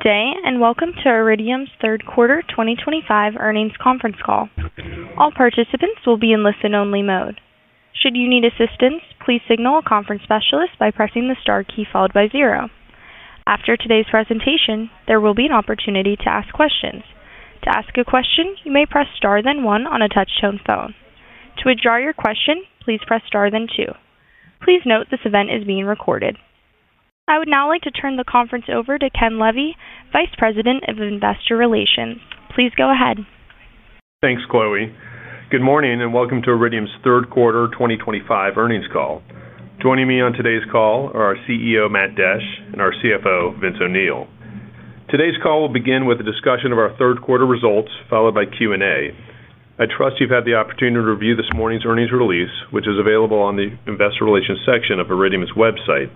Good day and Iridium's third quarter 2025 earnings conference call. All participants will be in listen-only mode. Should you need assistance, please signal a conference specialist by pressing the star key followed by zero. After today's presentation, there will be an opportunity to ask questions. To ask a question, you may press star then one on a touchtone phone. To withdraw your question, please press star then two. Please note this event is being recorded. I would now like to turn the conference over to Ken Levy, Vice President of Investor Relations. Please go ahead. Thanks, Chloe. Good morning and Iridium's third quarter 2025 earnings call. Joining me on today's call are our CEO Matt Desch and our CFO Vince O'Neill. Today's call will begin with a discussion of our third quarter results followed by Q&A. I trust you've had the opportunity to review this morning's earnings release, which is available on the Investor Relations section of Iridium's website.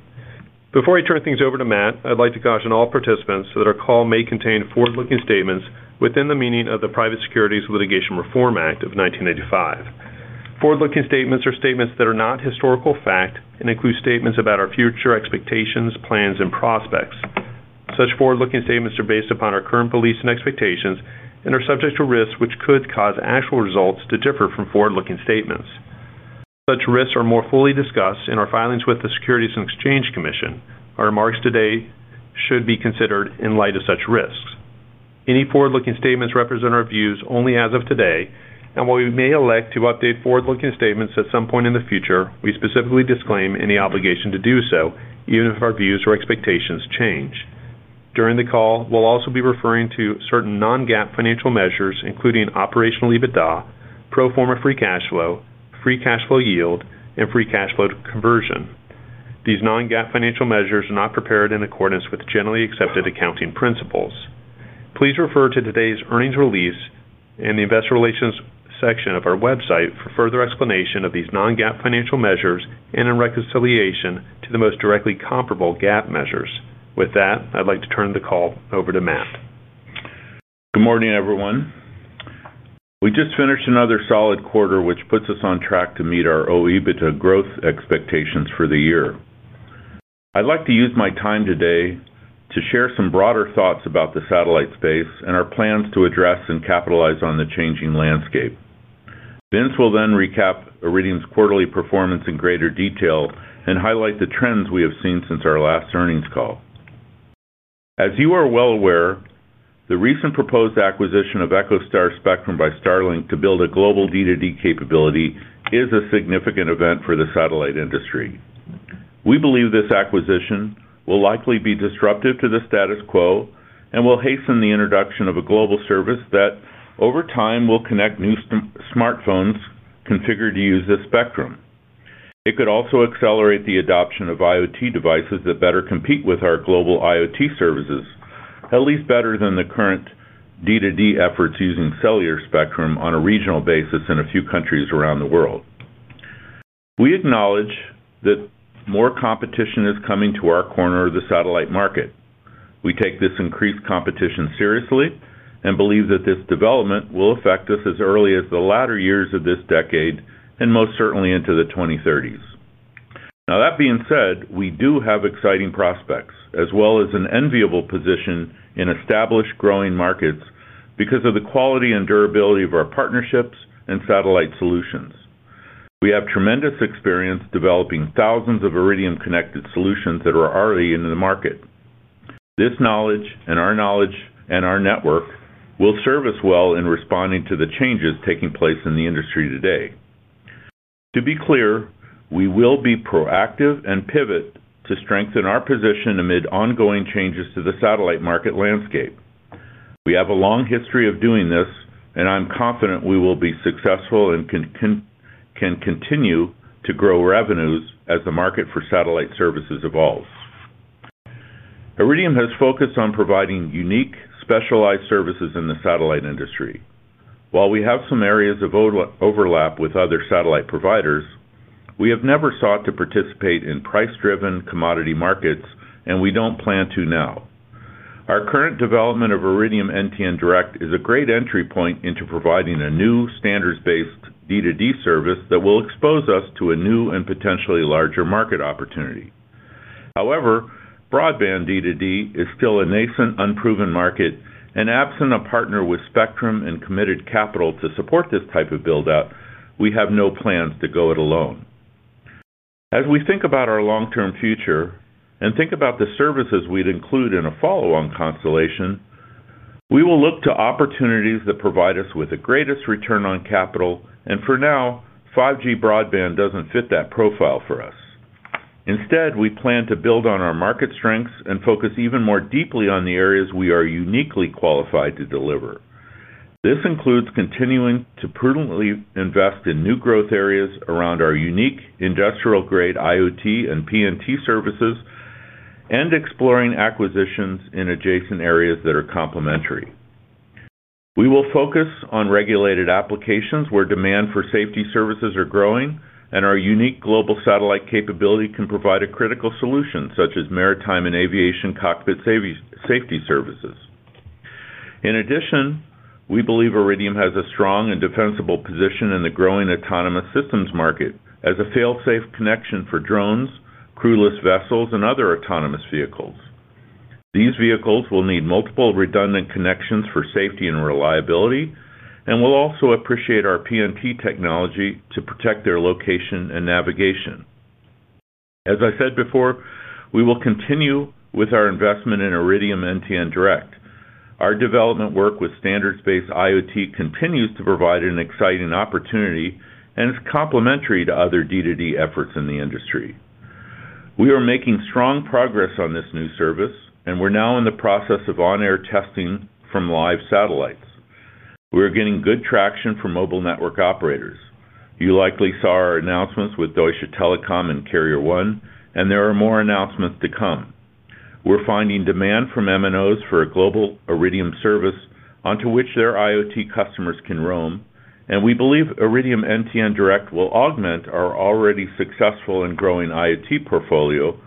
Before I turn things over to Matt, I'd like to caution all participants that our call may contain forward-looking statements within the meaning of the Private Securities Litigation Reform Act of 1985. Forward-looking statements are statements that are not historical fact and include statements about our future expectations, plans, and prospects. Such forward-looking statements are based upon our current beliefs and expectations and are subject to risks which could cause actual results to differ from forward-looking statements. Such risks are more fully discussed in our filings with the Securities and Exchange Commission. Our remarks today should be considered in light of such risks. Any forward-looking statements represent our views only as of today, and while we may elect to update forward-looking statements at some point in the future, we specifically disclaim any obligation to do so, even if our views or expectations change during the call. We'll also be referring to certain non-GAAP financial measures including operational EBITDA, pro forma free cash flow, free cash flow yield, and free cash flow conversion. These non-GAAP financial measures are not prepared in accordance with generally accepted accounting principles. Please refer to today's earnings release and the Investor Relations section of our website for further explanation of these non-GAAP financial measures and in reconciliation to the most directly comparable GAAP measures. With that, I'd like to turn the call over to Matt. Good morning, everyone. We just finished another solid quarter, which puts us on track to meet our. OEBITDA growth expectations for the year. I'd like to use my time today. To share some broader thoughts about the satellite space and our plans to address. We capitalize on the changing landscape. Vince will then recap Iridium's quarterly performance in greater detail and highlight the trends. We have seen since our last earnings call, as you are well aware, the recent. Proposed acquisition of EchoStar spectrum by Starlink to build a global D2D. Capability is a significant event for the satellite industry. We believe this acquisition will likely be disruptive to the status quo and will hasten the introduction of a global service that over time will connect new smartphones configured to use the spectrum. It could also accelerate the adoption of IoT devices that better compete with our global IoT services, at least better than the current D2D efforts using. Cellular spectrum on a regional basis in a few countries around the world. We acknowledge that more competition is coming. To our corner of the satellite market. We take this increased competition seriously and believe that this development will affect us as early as the latter years of this decade and most certainly into the 2030s. That being said, we do have exciting prospects as well as an enviable position in established growing markets because of the quality and durability of our partnerships and satellite solutions. We have tremendous experience developing thousands of Iridium connected solutions that are already in the market. This knowledge and our knowledge and our. Network will serve us well in responding. To the changes taking place in the industry today, to be clear, we will be proactive and pivot to strengthen our position amid ongoing changes to the satellite market landscape. We have a long history of doing this. This, and I'm confident we will be. Successful and can continue to grow revenues as the market for satellite services evolves. Iridium has focused on providing unique, specialized services in the satellite industry. While we have some areas of overlap with other satellite providers, we have never sought to participate in price-driven commodity markets, and we don't plan to now. Our current development of Iridium NTN Direct is a great entry point into providing a new standards-based D2D service that will expose us to a new and potentially larger market opportunity. However, broadband D2D is still a nascent, unproven market, and absent a partner with spectrum and committed capital to support this. Type of buildout, we have no plans. To go it alone. As we think about our long-term future and think about the services we'd include in a follow-on constellation, we will look to opportunities that provide us with the greatest return on capital, and for now 5G broadband doesn't fit that profile for us. Instead, we plan to build on our market strengths and focus even more deeply on the areas we are uniquely qualified to deliver. This includes continuing to prudently invest in new growth areas around our unique industrial-grade IoT and PNT services and exploring acquisitions in adjacent areas that are complementary. We will focus on regulated applications where demand for safety services are growing and our unique global satellite capability can provide a critical solution, such as maritime and aviation cockpit safety services. In addition, we believe Iridium has a strong and defensible position in the growing autonomous systems market as a fail-safe connection for drones, crewless vessels, and other autonomous vehicles. These vehicles will need multiple redundant connections for safety and reliability and will also appreciate our PNT technology to protect their location and navigation. As I said before, we will continue with our investment in Iridium NTN Direct. Our development work with standards-based IoT continues to provide an exciting opportunity and is complementary to other D2D efforts in the industry. We are making strong progress on this new service, and we're now in the process of on-air testing from live satellites. We are getting good traction from mobile network operators. You likely saw our announcements with Deutsche Telekom. and Karrier One, and there are more announcements to come. We're finding demand from MNOs for a global Iridium service onto which their IoT customers can roam, and we believe Iridium NTN Direct will augment our already successful. Growing IoT portfolio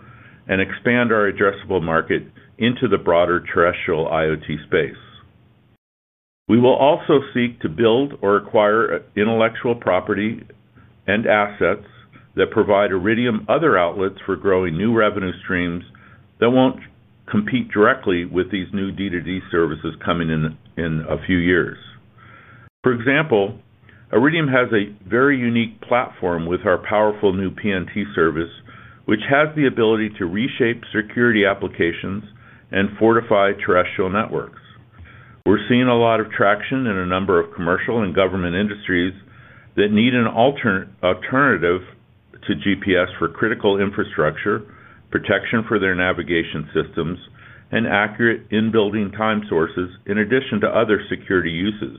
and expand our. Addressable market into the broader terrestrial IoT space. We will also seek to build or acquire intellectual property and assets that provide Iridium other outlets for growing new revenue streams that won't compete directly with these new D2D services coming in a few years. For example, Iridium has a very unique platform with our powerful new PNT service, which has the ability to reshape security applications and fortify terrestrial networks. We're seeing a lot of traction in a number of commercial and government industries that need an alternative to GPS for critical infrastructure protection for their navigation systems and accurate in-building time sources in addition to other security uses.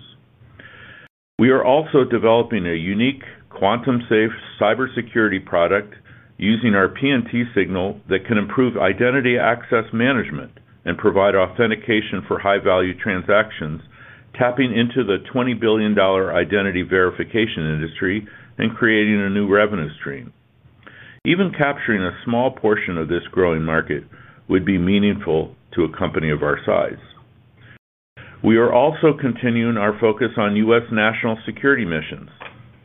We are also developing a unique quantum-safe cybersecurity product using our PNT signal that can improve identity access management and provide authentication for high-value transactions, tapping into the $20 billion identity verification industry and creating a new revenue stream. Even capturing a small portion of this growing market would be meaningful to a company of our size. We are also continuing our focus on U.S. national security missions,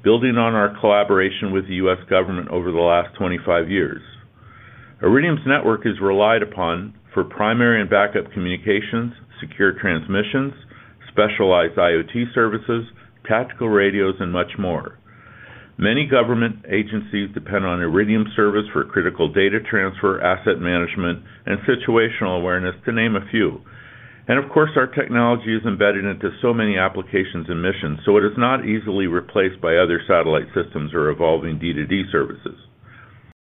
building on our. Collaboration with the U.S. government over the last 25 years. Iridium's network is relied upon for primary and backup communications, secure transmissions, specialized IoT services, tactical radios, and much more. Many government agencies depend on Iridium service for critical data transfer, asset management, and situational awareness, to name a few. Our technology is embedded into so many applications and missions, so it is not easily replaced by other satellite systems or evolving D2D services.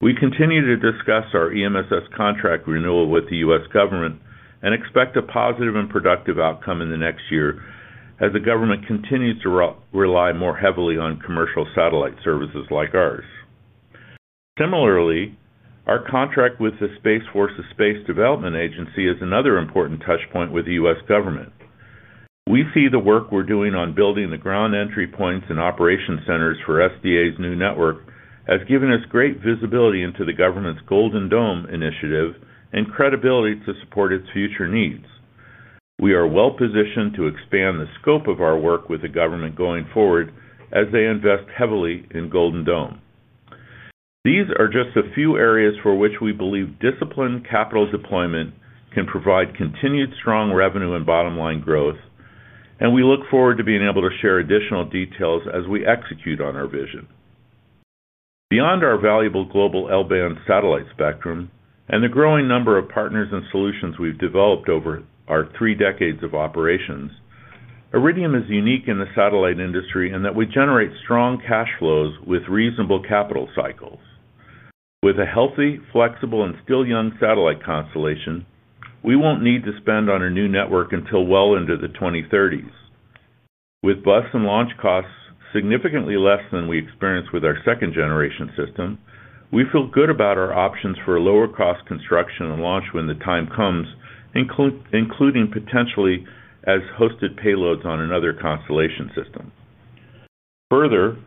We continue to discuss our EMSS contract. Renewal with the U.S. government and expect. A positive and productive outcome in the next year as the U.S. government continues to. Rely more heavily on commercial satellite services like ours. Similarly, our contract with the Space Development Agency is another important touch point with the U.S. government. We see the work we're doing on building the ground entry points and operation centers for the SDA's new network has given us great visibility into the government's Golden Dome initiative and credibility to support its future needs. We are well positioned to expand the. Scope of our work with the government. Going forward as they invest heavily in Golden Dome, these are just a few areas for which we believe disciplined capital deployment can provide continued strong revenue and bottom line growth. We look forward to being able to share additional details as we execute on our vision beyond our valuable global L-band satellite spectrum and the growing number of partners and solutions we've. Developed over our three decades of operations. Iridium is unique in the satellite industry. In that, we generate strong cash flows. With reasonable capital cycles, with a healthy, flexible, and still young satellite constellation, we won't need to spend on a new network until well into the 2030s, with bus and launch costs significantly less. Than we experienced with our second generation. System, we feel good about our options. For lower cost construction and launch. The time comes, including potentially as hosted. Payloads on another constellation system. Further,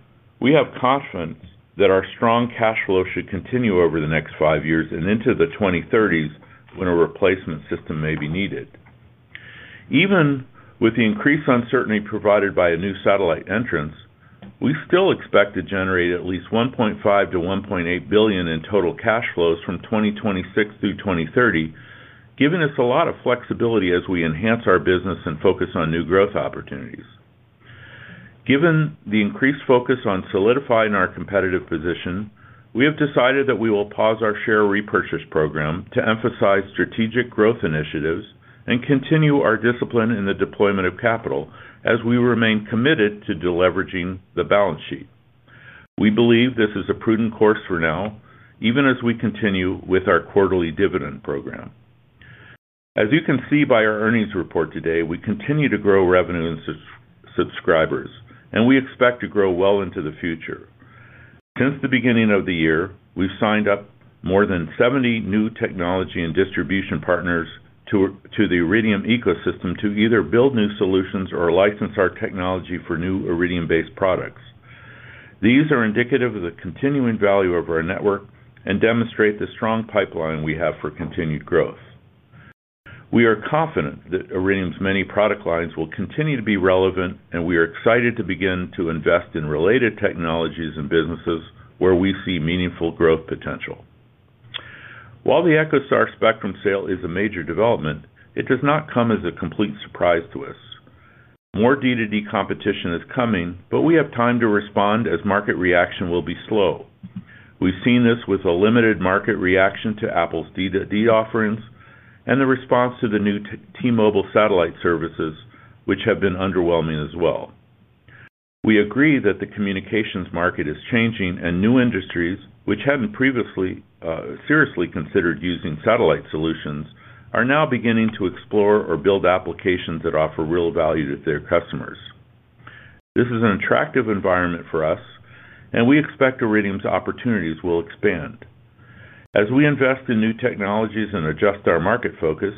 we have confidence that our strong cash flow should continue over the next five years and into the 2030s when a replacement system may be needed. Even with the increased uncertainty provided by a new satellite entrant, we still expect to generate at least $1.5 billion-$1.8 billion in total cash flows from 2026 through 2030, giving us a lot of flexibility as we enhance our business and focus on new growth opportunities. Given the increased focus on solidifying our competitive position, we have decided that we will pause our share repurchase program to emphasize strategic growth initiatives and continue our discipline in the deployment of capital. As we remain committed to deleveraging the balance sheet, we believe this is a prudent course for now even as we continue with our quarterly dividend program. As you can see by our earnings report today, we continue to grow revenue and subscribers and we expect to grow well into the future. Since the beginning of the year, we've signed up more than 70 new technology and distribution partners to the Iridium ecosystem to either build new solutions or license our technology for new Iridium-based products. These are indicative of the continuing value of our network and demonstrate the strong pipeline we have for continued growth. We are confident that Iridium's many product lines will continue to be relevant and we are excited to begin to invest in related technologies and businesses where we see meaningful growth potential. While the EchoStar spectrum sale is a major development, it does not come as a complete surprise to us. More D2D competition is coming, but we have time to respond as market reaction will be slow. We've seen this with a limited market reaction to Apple's D2D offerings and the response to the new T-Mobile satellite services, which have been underwhelming as well. We agree that the communications market is changing and new industries which hadn't previously seriously considered using satellite solutions are now beginning to explore or build applications that. Offer real value to their customers. This is an attractive environment for us, and we expect Iridium's opportunities will expand as we invest in new technologies and adjust our market focus.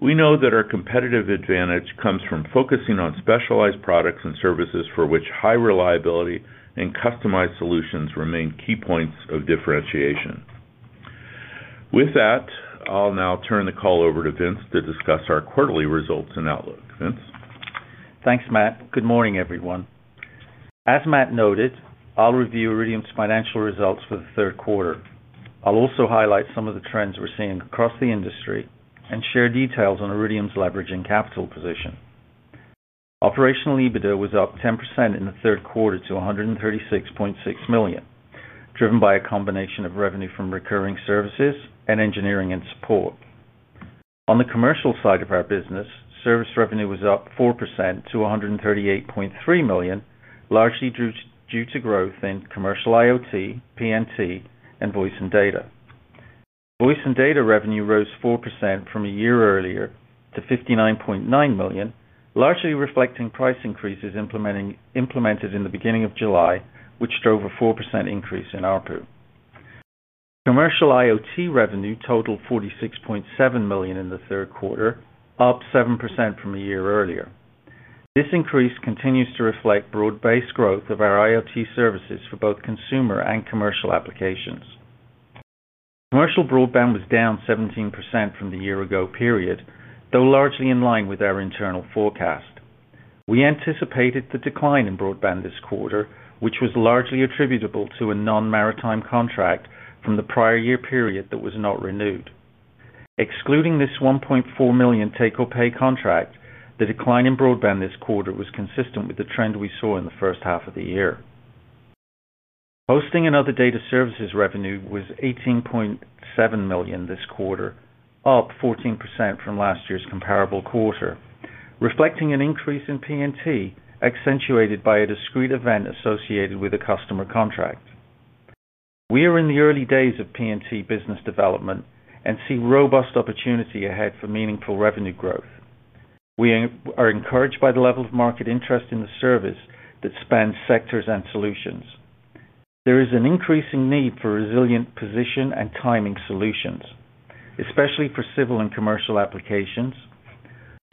We know that our competitive advantage comes from focusing on specialized products and services for which high reliability and customized solutions remain key points of differentiation. With that, I'll now turn the call. Over to Vince to discuss our quarterly results and outlook. Vince? Thanks Matt. Good morning everyone. As Matt noted, I'll review Iridium's financial results for the third quarter. I'll also highlight some of the trends we're seeing across the industry and share details on Iridium's leveraging capital position. Operational EBITDA was up 10% in the third quarter to $136.6 million, driven by a combination of revenue from recurring services and engineering and support. On the commercial side of our business, service revenue was up 4% to $138.3 million, largely due to growth in commercial IoT, PNT, and voice and data. Voice and data revenue rose 4% from a year earlier to $59.9 million, largely reflecting price increases implemented in the beginning of July which drove a 4% increase in ARPU. Commercial IoT revenue totaled $46.7 million in the third quarter, up 7% from a year earlier. This increase continues to reflect broad-based growth of our IoT services for both consumer and commercial applications. Commercial broadband was down 17% from the year-ago period, though largely in line with our internal forecast. We anticipated the decline in broadband this quarter, which was largely attributable to a non-maritime contract from the prior year period that was not renewed. Excluding this $1.4 million take-or-pay contract, the decline in broadband this quarter was consistent with the trend we saw in the first half of the year. Hosting and other data services revenue was $18.7 million this quarter, up 14% from last year's comparable quarter, reflecting an increase in PNT accentuated by a discrete event associated with a customer contract. We are in the early days of PNT business development and see robust opportunity ahead for meaningful revenue growth. We are encouraged by the level of market interest in the service that spans sectors and solutions. There is an increasing need for resilient position and timing solutions, especially for civil and commercial applications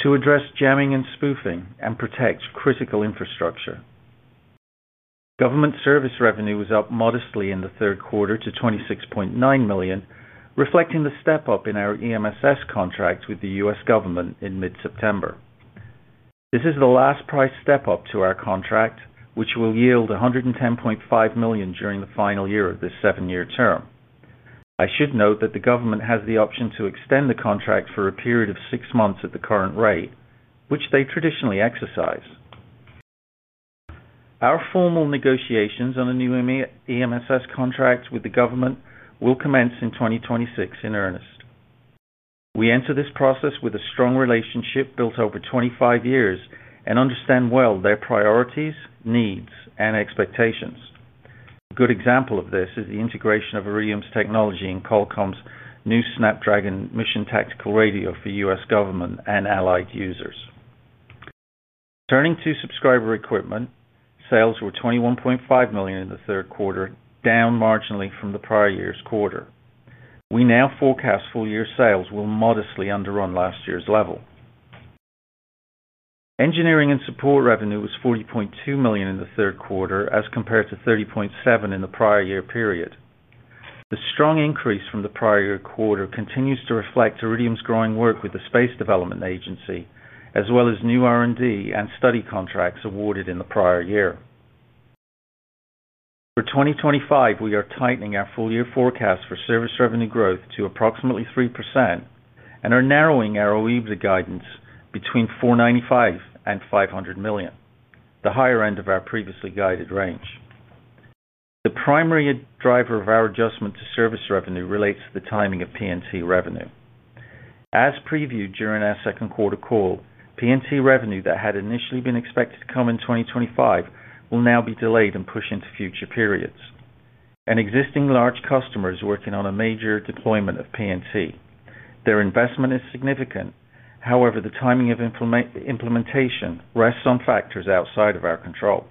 to address jamming and spoofing and protect critical infrastructure. Government service revenue was up modestly in the third quarter to $26.9 million, reflecting the step up in our EMSS contract with the U.S. government in mid-September. This is the last price step up to our contract, which will yield $110.5 million during the final year of this September near term. I should note that the government has the option to extend the contract for a period of six months at the current rate, which they traditionally exercise. Our formal negotiations on a new EMSS contract with the government will commence in 2026 in earnest. We enter this process with a strong relationship built over 25 years and understand well their priorities, needs, and expectations. A good example of this is the integration of Iridium's technology in Qualcomm's new Snapdragon Mission Tactical Radio for U.S. government and allied users. Turning to subscriber equipment, sales were $21.5 million in the third quarter, down marginally from the prior year's quarter. We now forecast full year sales will modestly underrun last year's level. Engineering and Support revenue was $40.2 million in the third quarter as compared to $30.7 million in the prior year period. The strong increase from the prior year quarter continues to reflect Iridium's growing work with the Space Development Agency as well as new R&D and study contracts awarded in the prior year. For 2025, we are tightening our full year forecast for service revenue growth to approximately 3% and are narrowing our OEBITDA guidance between $495 million and $500 million, the higher end of our previously guided range. The primary driver of our adjustment to service revenue relates to the timing of PNT revenue as previewed during our second quarter call. PNT revenue that had initially been expected to come in 2025 will now be delayed and pushed into future periods, and existing large customers are working on a major deployment of PNT. Their investment is significant. However, the timing of implementation rests on factors outside of our control.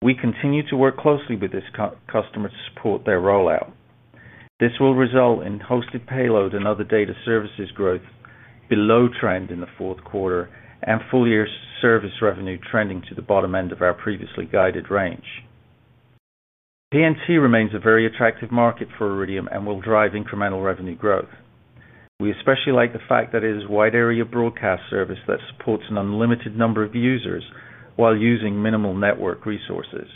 We continue to work closely with this customer to support their rollout. This will result in hosted payload and other data services growth below trend in the fourth quarter and full year, with service revenue trending to the bottom end of our previously guided range. PNT remains a very attractive market for Iridium and will drive incremental revenue growth. We especially like the fact that it is a wide area broadcast service that supports an unlimited number of users while using minimal network resources.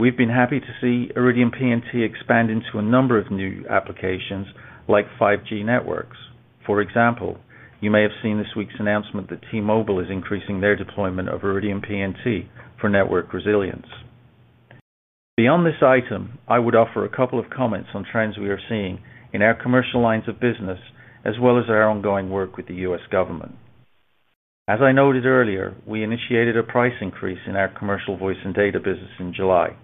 We've been happy to see Iridium PNT expand into a number of new applications like 5G networks. For example, you may have seen this week's announcement that T-Mobile is increasing their deployment of Iridium PNT for network resilience. Beyond this item, I would offer a couple of comments on trends we are seeing in our commercial lines of business as well as our ongoing work with the U.S. government. As I noted earlier, we initiated a price increase in our commercial voice and data business in July.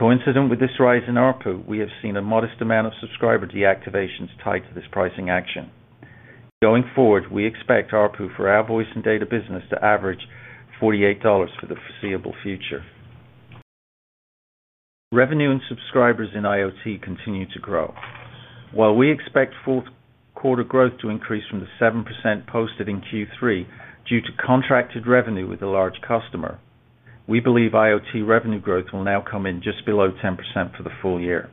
Coincident with this rise in ARPU, we have seen a modest amount of subscriber deactivations tied to this pricing action. Going forward, we expect ARPU for our voice and data business to average $48 for the foreseeable future. Revenue and subscribers in IoT continue to grow. While we expect fourth quarter growth to increase from the 7% posted in Q3 due to contracted revenue with a large customer, we believe IoT revenue growth will now come in just below 10% for the full year.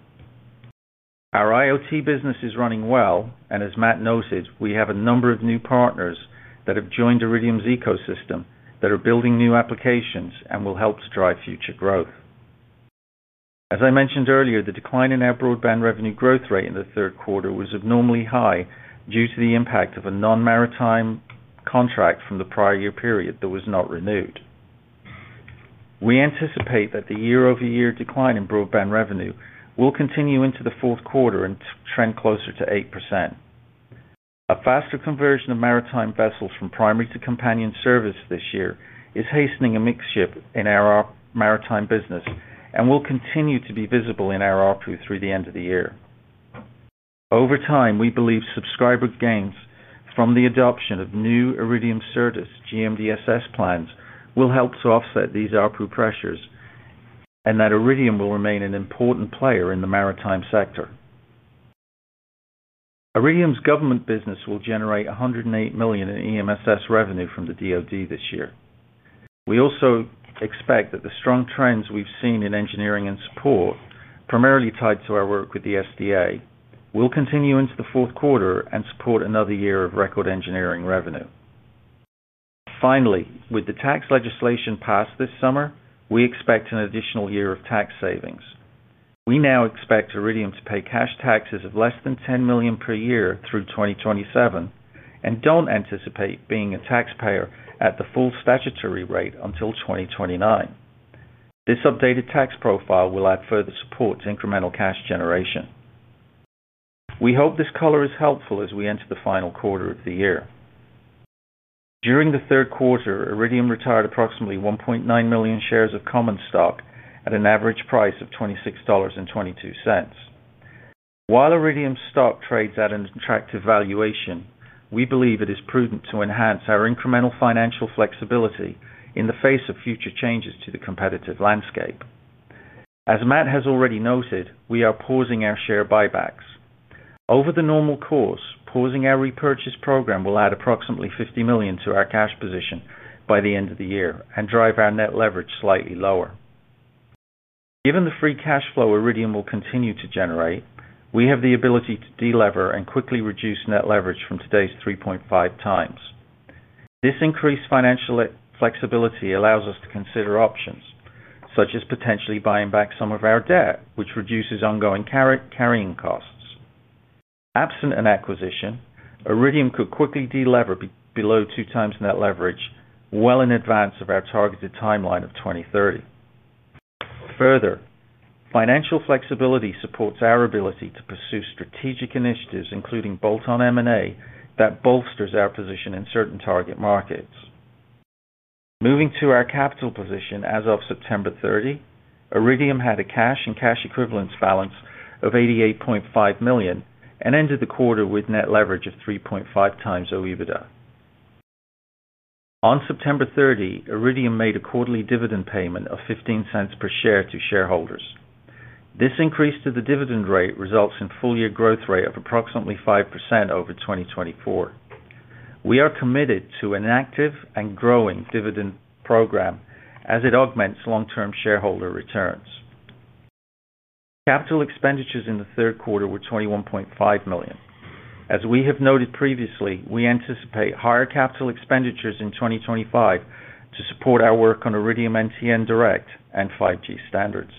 Our IoT business is running well and as Matt noted, we have a number of new partners that have joined Iridium's ecosystem that are building new applications and will help to drive future growth. As I mentioned earlier, the decline in our broadband revenue growth rate in the third quarter was abnormally high due to the impact of a non-maritime contract from the prior year period that was not renewed. We anticipate that the year-over-year decline in broadband revenue will continue into the fourth quarter and trend closer to 8%. A faster conversion of maritime vessels from primary to companion service this year is hastening a mix shift in our maritime business and will continue to be visible in our ARPU through the end of the year. Over time, we believe subscriber gains from the adoption of new Iridium Certus GMDSS Plans will help to offset these ARPU pressures and that Iridium will remain an important player in the maritime sector. Iridium's government business will generate $108 million in EMSS revenue from DoD this year. We also expect that the strong trends we've seen in engineering and support, primarily tied to our work with the SDA, will continue into the fourth quarter and support another year of record engineering revenue. Finally, with the tax legislation passed this summer, we expect an additional year of tax savings. We now expect Iridium to pay cash taxes of less than $10 million per year through 2027 and don't anticipate being a taxpayer at the full statutory rate until 2029. This updated tax profile will add further support to incremental cash generation. We hope this color is helpful as we enter the final quarter of the year. During the third quarter, Iridium retired approximately 1.9 million shares of common stock at an average price of $26.22. While Iridium stock trades at an attractive valuation, we believe it is prudent to enhance our incremental financial flexibility in the face of future changes to the competitive landscape. As Matt has already noted, we are pausing our share buybacks over the normal course. Pausing our repurchase program will add approximately $50 million to our cash position by the end of the year and drive our net leverage slightly lower. Given the free cash flow Iridium will continue to generate, we have the ability to delever and quickly reduce net leverage from today's 3.5x. This increased financial flexibility allows us to consider options such as potentially buying back some of our debt, which reduces ongoing carrying costs. Absent an acquisition, Iridium could quickly delever below 2x net leverage well in advance of our targeted timeline of 2030. Further financial flexibility supports our ability to pursue strategic initiatives including bolt-on M&A that bolsters our position in certain target markets. Moving to our capital position as of September 30, Iridium had a cash and cash equivalents balance of $88.5 million and ended the quarter with net leverage of 3.5x OEBITDA. On September 30, Iridium made a quarterly dividend payment of $0.15 per share to shareholders. This increase to the dividend rate results in full year growth rate of approximately 5% over 2024. We are committed to an active and growing dividend program as it augments long-term shareholder returns. Capital expenditures in the third quarter were $21.5 million. As we have noted previously, we anticipate higher capital expenditures in 2025 to support our work on Iridium NTN Direct and 5G standards.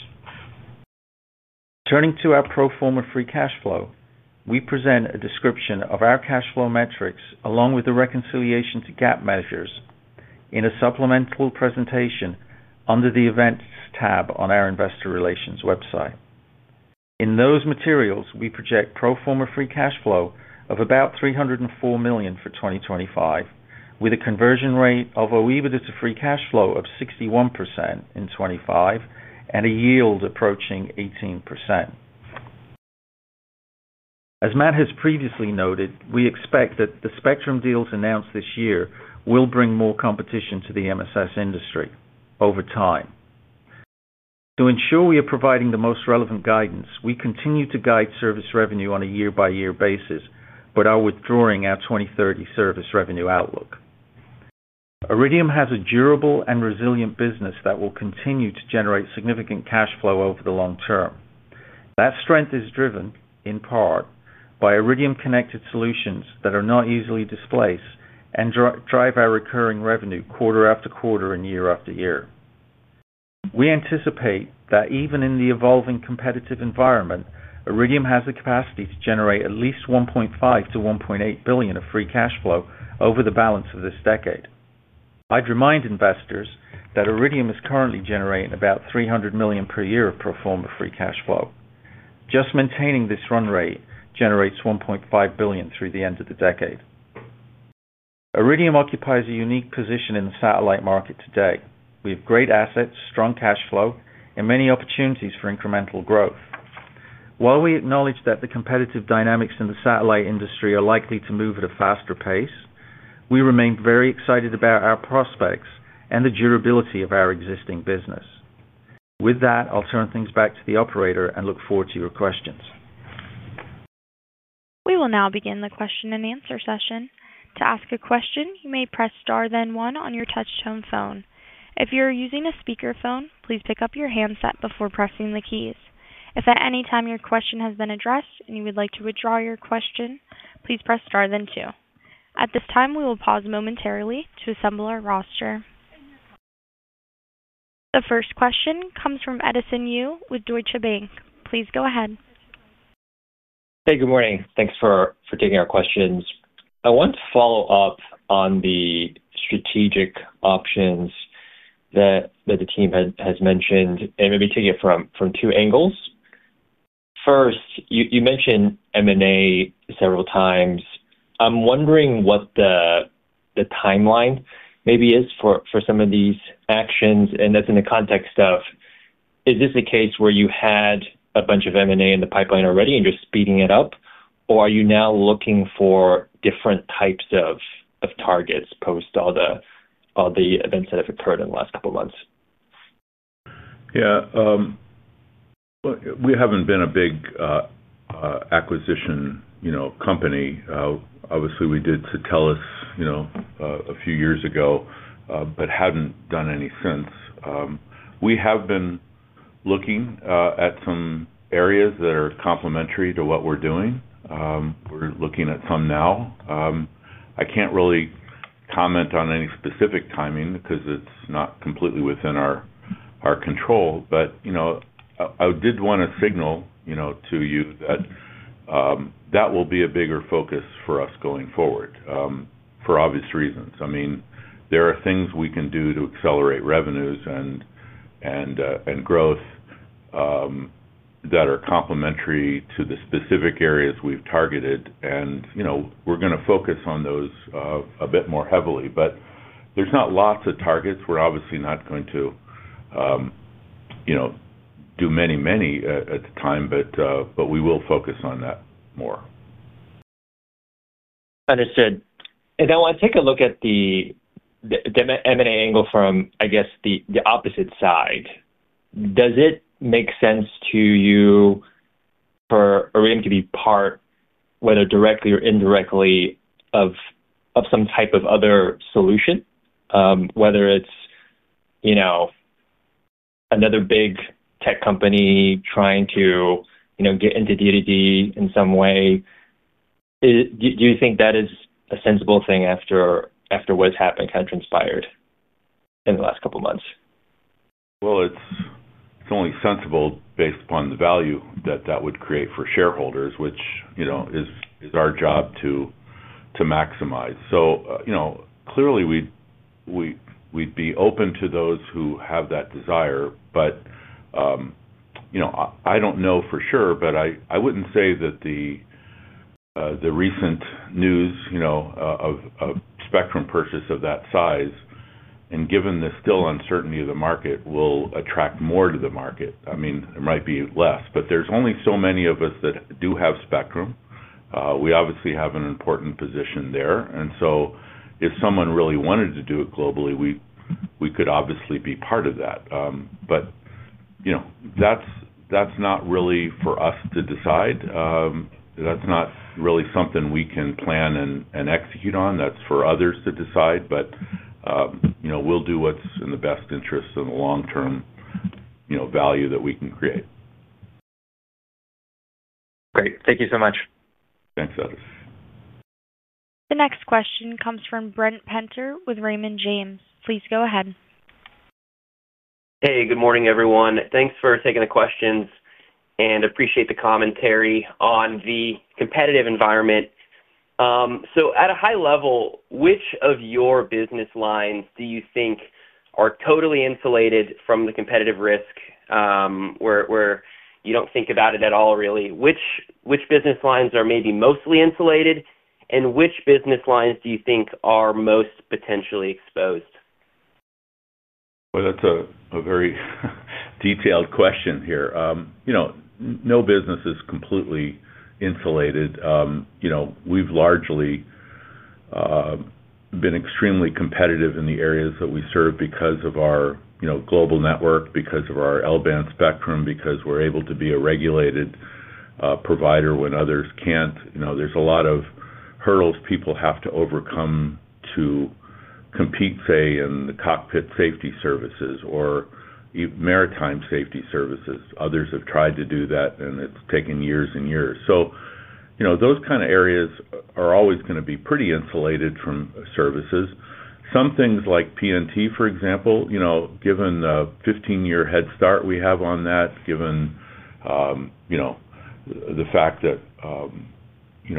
Turning to our pro forma free cash flow, we present a description of our cash flow metrics along with the reconciliation to GAAP measures in a supplemental presentation under the Events tab on our Investor Relations website. In those materials we project pro forma free cash flow of about $304 million for 2025, with a conversion rate of OEBITDA to free cash flow of 61% in 2025 and a yield approaching 18%. As Matt has previously noted, we expect that the spectrum deals announced this year will bring more competition to the MSS industry over time. To ensure we are providing the most relevant guidance, we continue to guide service revenue on a year-by-year basis, but are withdrawing our 2030 service revenue outlook. Iridium has a durable and resilient business that will continue to generate significant cash flow over the long term. That strength is driven in part by Iridium connected solutions that are not easily displaced and drive our recurring revenue quarter after quarter and year after year. We anticipate that even in the evolving competitive environment, Iridium has the capacity to generate at least $1.5 billion-$1.8 billion of free cash flow over the balance of this decade. I'd remind investors that Iridium is currently generating about $300 million per year of pro forma free cash flow. Just maintaining this run rate generates $1.5 billion through the end of the decade. Iridium occupies a unique position in the satellite market today. We have great assets, strong cash flow, and many opportunities for incremental growth. While we acknowledge that the competitive dynamics in the satellite industry are likely to move at a faster pace, we remain very excited about our prospects and the durability of our existing business. With that, I'll turn things back to the operator and look forward to your questions. We will now begin the question and answer session. To ask a question, you may press star, then one on your touchtone phone. If you're using a speakerphone, please pick up your handset before pressing the keys. If at any time your question has been addressed and you would like to withdraw your question, please press star then two. At this time, we will pause momentarily to assemble our roster. The first question comes from Edison Yu with Deutsche Bank. Please go ahead. Hey, good morning. Thanks for taking our questions. I want to follow up on the strategic options that the team has mentioned and maybe take it from two angles. First, you mentioned M&A several times. I'm wondering what the timeline maybe is for some of these actions, and that's in the context of is this a case where you had a bunch of M&A in the pipeline already and you're speeding it up, or are you now looking for different types of targets post all the events that have occurred in the last couple months? Yeah. We haven't been a big acquisition company. Obviously, we did Satelles a few years ago, but hadn't done any since. We have been looking at some areas. That are complementary to what we're doing. We're looking at some now. I can't really comment on any specific. Timing, because it's not completely within our control. I did want to signal to you that. Will be a bigger focus for us. Going forward, for obvious reasons. I mean, there are things we can. To accelerate revenues and growth, that. Are complementary to the specific areas we've targeted. We're going to focus on those a bit more heavily. There's not lots of targets. We're obviously not going to, you know. Do many at the time. We will focus on that more. Understood. I want to take a look at the M&A angle from, I guess, the opposite side. Does it make sense to you for Iridium to be part, whether directly or indirectly, of some type of other solution, whether it's another big tech company trying to get into D2D in some way? Do you think that is a sensible thing after what's happened, kind of transpired in the last couple months? It is only sensible based upon the value that that would create for shareholders, which, you know, is our job to maximize. Clearly, we'd be open to those who have that desire. I don't know for. Sure, I wouldn't say that. Recent news of a spectrum purchase of that size, and given the still uncertainty of the market, will attract. More to the market. There might be less. There's only so many of us that do have spectrum. We obviously have an important position there. If someone really wanted to. Do it globally, we could obviously be part of that. That's not really for us to decide. That's not really something we can plan and execute on. That's for others to decide. We will do what's in. The best interest of the long term, you know, value that we can create. Great. Thank you so much. Thanks. The next question comes from Ric Prentiss with Raymond James. Please go ahead. Hey, good morning, everyone. Thanks for taking the questions and appreciate the commentary on the competitive environment. At a high level, which of your business lines do you think are totally insulated from the competitive risk, where you don't think about it at all, really? Which business lines are maybe mostly insulated? Which business lines do you think are most potentially exposed? That's a very detailed question. Here, no business is completely insulated. You know, we've largely. Been extremely competitive in the areas that we serve because. Of our global network, because. Of our L-band spectrum, because we're. Able to be a regulated provider when others can't. You know, there's a lot of hurdles. People have to overcome to compete, say in the cockpit safety services or maritime safety services. Others have tried to do that, and it's taken years and years. Those kind of areas are always going to be pretty insulated from services. Some things like PNT, for example, you. Given the 15 year head start. Given the fact that it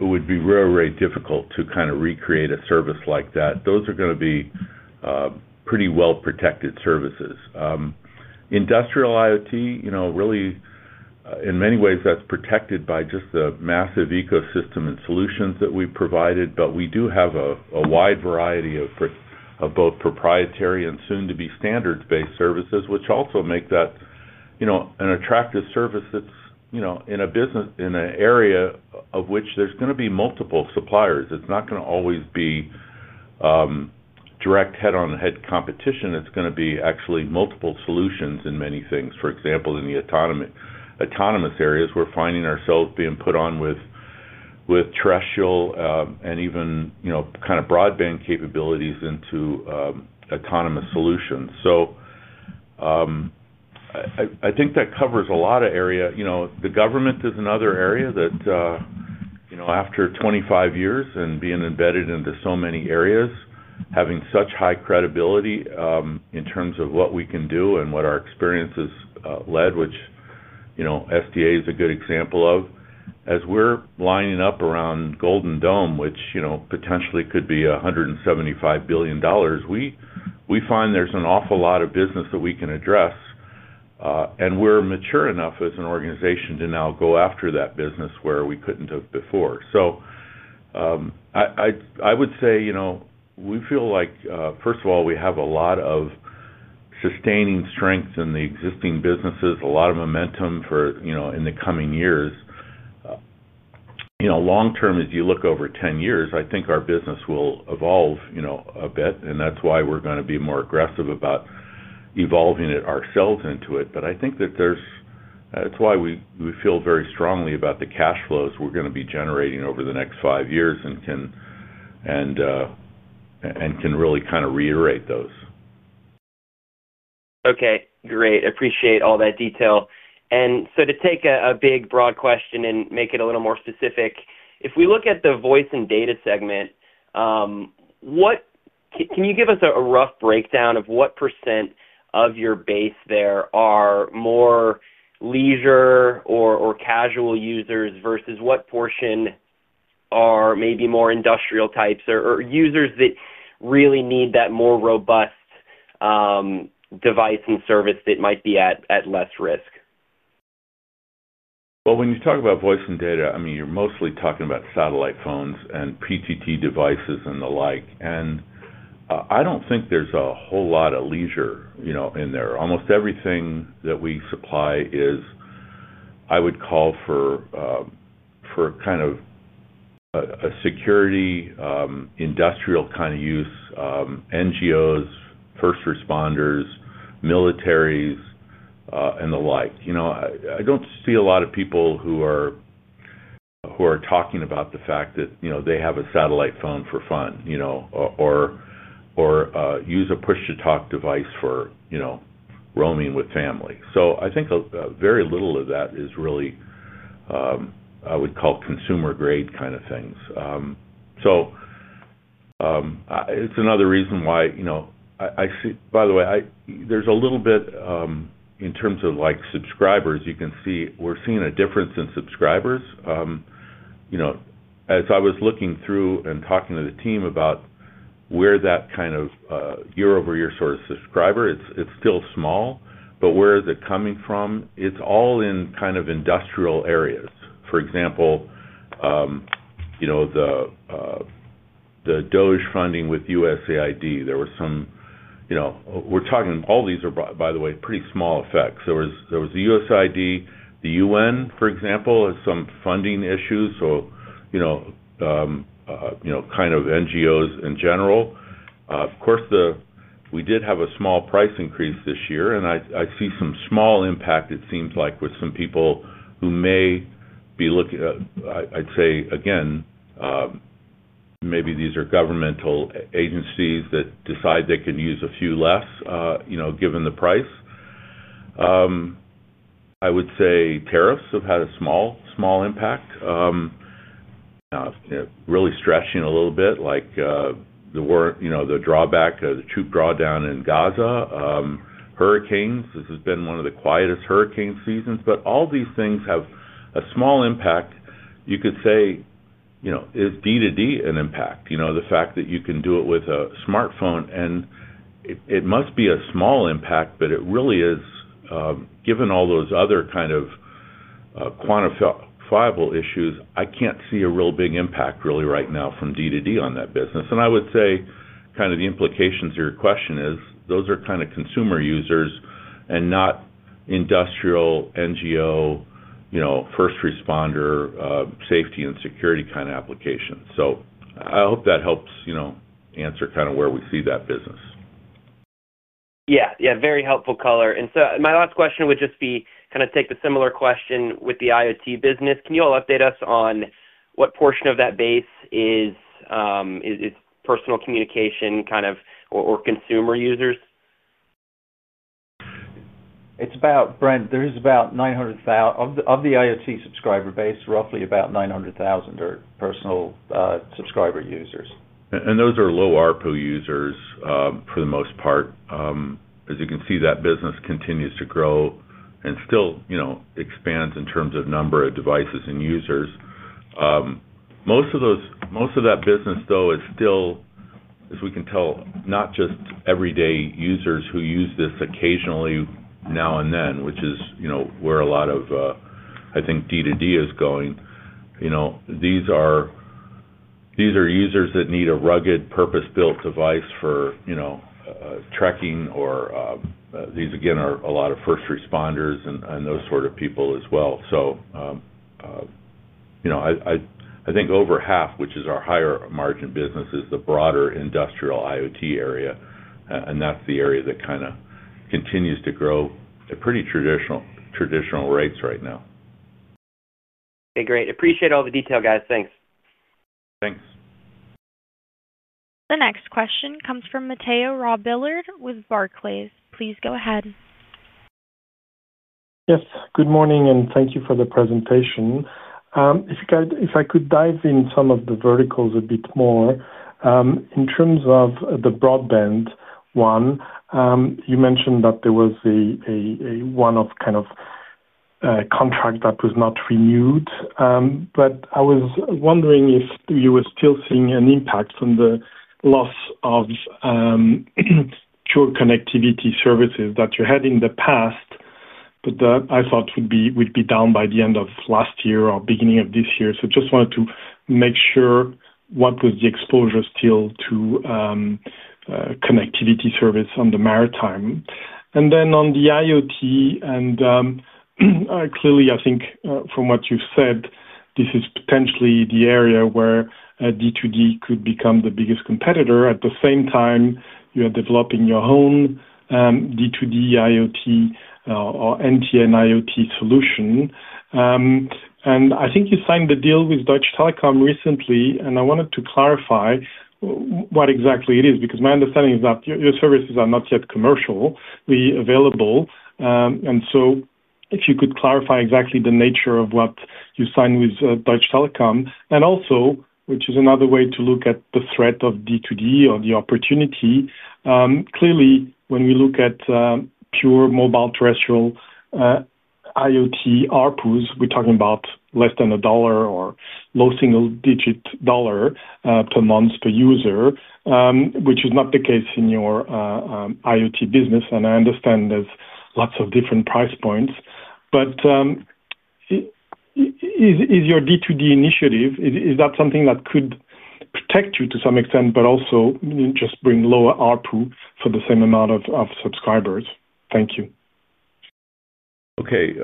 would. Be very, very difficult to kind of recreate a service like that. Those are going to be pretty well protected services. Industrial IoT, you know, really in many. Ways that's protected by just the massive. Ecosystem and solutions that we've provided. We do have a wide variety. Of both proprietary and soon to be. Standards-based services, which also make that, you know, an attractive service. That's, you know, in a business, in an area of which there's going to be multiple suppliers, it's not going to. Always be. Direct head-on-head competition. It's going to be actually multiple solutions in many things. For example, in the autonomous areas, we're. find ourselves being put on with terrestrial and even kind of broadband capabilities into autonomous solutions. I think that covers a lot of area. The government is another area that, after. 25 years and being embedded into so many areas, having such high credibility in terms of what we can do and what our experience has led, which SDA. Is a good example of. As we're lining up around Golden Dome, which potentially could be $175 billion, we. Find there's an awful lot of business. That we can address, and we're mature. Enough as an organization to now go. After that business where we couldn't have before. So. I would say, you know, we. First of all, we have a lot of sustaining strength in the. Existing businesses, a lot of momentum for. You know, in the coming years. You know, long term, as you look. Over 10 years, I think our business. Will evolve, you know, a bit, and that's why we're going to be more aggressive about evolving it ourselves into it. I think that's why. We feel very strongly about the cash flows we're going to be generating over the next five years and can really kind of reiterate those. Okay, great, appreciate all that detail. To take a big broad question and make it a little more specific, if we look at the voice and data segment, can you give us a rough breakdown of what percent of your base are more leisure or casual users versus what portion are maybe more industrial types or users that really need that more robust device and service that might be at less risk? When you talk about voice and. Data, you're mostly talking about satellite phones. PTT devices and the like. I don't think there's a whole lot of leisure in there. Almost everything that we supply is. I would call for kind of a security, industrial kind of use, NGOs first. Responders, militaries, and the like. I don't see a lot of people. Who are talking about the fact that they have a satellite phone. For fun or use a push-to. Talk device for roaming with family. I think very little of that. is really, I would call, consumer grade kind of things. It is another reason why, by the way, there is a little bit in terms of subscribers. You can see we are seeing. A difference in subscribers. As I was looking through and talking to the team about where. That kind of year-over-year sort. Of subscriber, it's still small, but where? Is it coming from? It's all in kind of industrial areas. For example, you know, the DOGE funding with USAID, there were some, you know. We're talking all these are, by the way. Way, pretty small effects. There was the USAID, the U.N. for. Example has some funding issues. You know, kind of NGOs in general. Of course. We did have a small price increase this year, and I see some small impact. It seems like with some people. Maybe looking, I'd say again. Maybe. These are governmental agencies that decide they can use a few less. You know, given the price. I would say tariffs have had a small, small impact. Really stretching a little bit. Drawback, the troop drawdown in Gaza, hurricanes. This has been one of the quietest hurricane seasons. All these things have a small impact. You could say is D2D an impact. The fact that you can do it with a smartphone and it must be a small impact, but it really is given all those other kind of quantifiable issues. I can't see a real big impact really right now from D2D on that business. I would say kind of the. The implications of your question are those. Kind of consumer users and not industrial. NGO, you know, first responder safety. Security kind of applications. I hope that helps answer kind. Of where we see that business. Yeah, very helpful color. My last question would just be kind of take the similar question with the IoT business. Can you all update us on what portion of that base is personal communication kind of or consumer users? It's about Brent. There's about 900,000 of the IoT subscribers. Base, roughly about 900,000 or personal subscriber users. Those are low ARPU users for the most part. As you can see, that business continues. To grow and still expands in terms. Of number of devices and users. Most of that business, though, is still. As we can tell, not just everyday users who use this occasionally now. I think D2D is going. You know, these are users. That need a rugged, purpose-built device. For trekking or these again are a lot of first responders and those sort of people as well. I think over half. Which is our higher margin business, is the broader industrial IoT area. That's the area that kind of continues to grow at pretty traditional rates right now. Okay, great. Appreciate all the detail, guys. Thanks, thanks. The next question comes from Mathieu Robilliard with Barclays. Please go ahead. Yes, good morning and thank you for the presentation. If I could dive in some of the verticals a bit more in terms of the broadband one. You mentioned that there was a one-off kind of contract that was not renewed. I was wondering if you were still seeing an impact from the loss of pure connectivity services that you had in the past. I thought would be down by the end of last year or beginning of this year. I just wanted to make sure what was the exposure still to connectivity service on the maritime and then on the IoT. Clearly I think from what you said, this is potentially the area where D2D could become the biggest competitor. At the same time you are developing your own D2D IoT or NTN IoT solution. I think you signed the deal with Deutsche Telekom recently and I wanted to clarify what exactly it is because my understanding is that your services are not yet commercially available. If you could clarify exactly the nature of what you signed with Deutsche Telekom and also which is another way to look at the threat of D2D or the opportunity. Clearly when we look at pure mobile terrestrial IoT ARPUs, we're talking about less than $1 or low single-digit dollar per month per user, which is not the case in your IoT business. I understand there's lots of different price points. Is your D2D initiative, is that something that could protect you to some extent but also just bring lower ARPU for the same amount of subscribers? Thank you. Okay,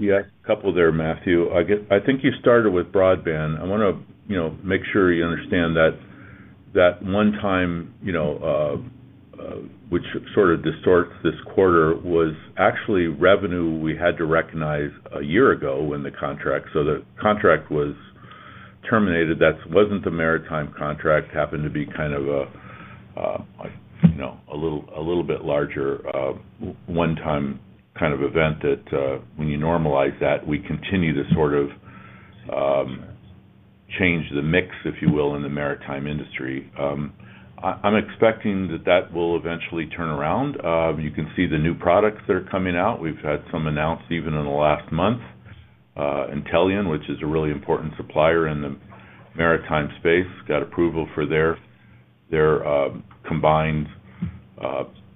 yeah, a couple there. Matthieu, I think you started with broadband. I want to make sure you understand that that one time, which sort of distorts this quarter, was actually revenue we had to recognize a year ago when the contract was terminated. That wasn't the maritime contract it happened to. Be kind of a little bit larger one-time kind of event than when. You normalize that we continue to sort of change the mix, if you will. In the maritime industry. I'm expecting that will eventually turn around. You can see the new products that are coming out. We've had some announced even in the last month. Intellian, which is a really important supplier in the maritime space, got approval for their combined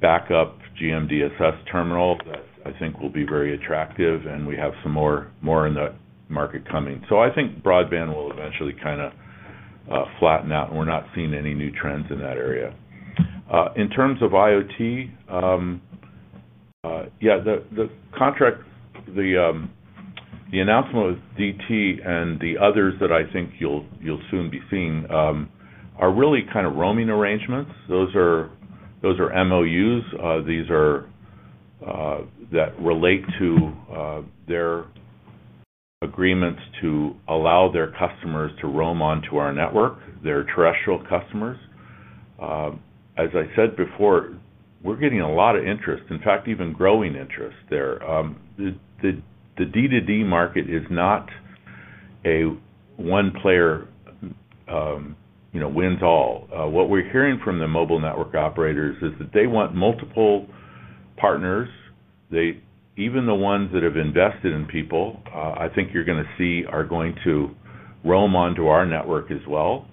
backup GMDSS terminal that I. Think will be very attractive, and we. have some more in the market coming. I think broadband will eventually kind of flatten out, and we're not seeing. Any new trends in that area in terms of IoT? Yeah, the contract. The announcement with DT. The others that I think you'll. Soon be seeing are really kind of roaming arrangements. Those are MOUs. These are that relate to their agreements to allow their customers to roam onto. Our network, their terrestrial customers. As I said before, we're getting a. Lot of interest, in fact, even growing interest there. The D2D market is not. A one player wins all. What we're hearing from the mobile network operators is that they want multiple partners. Even the ones that have invested in. People I think you're going to see are going to roam onto our network as well.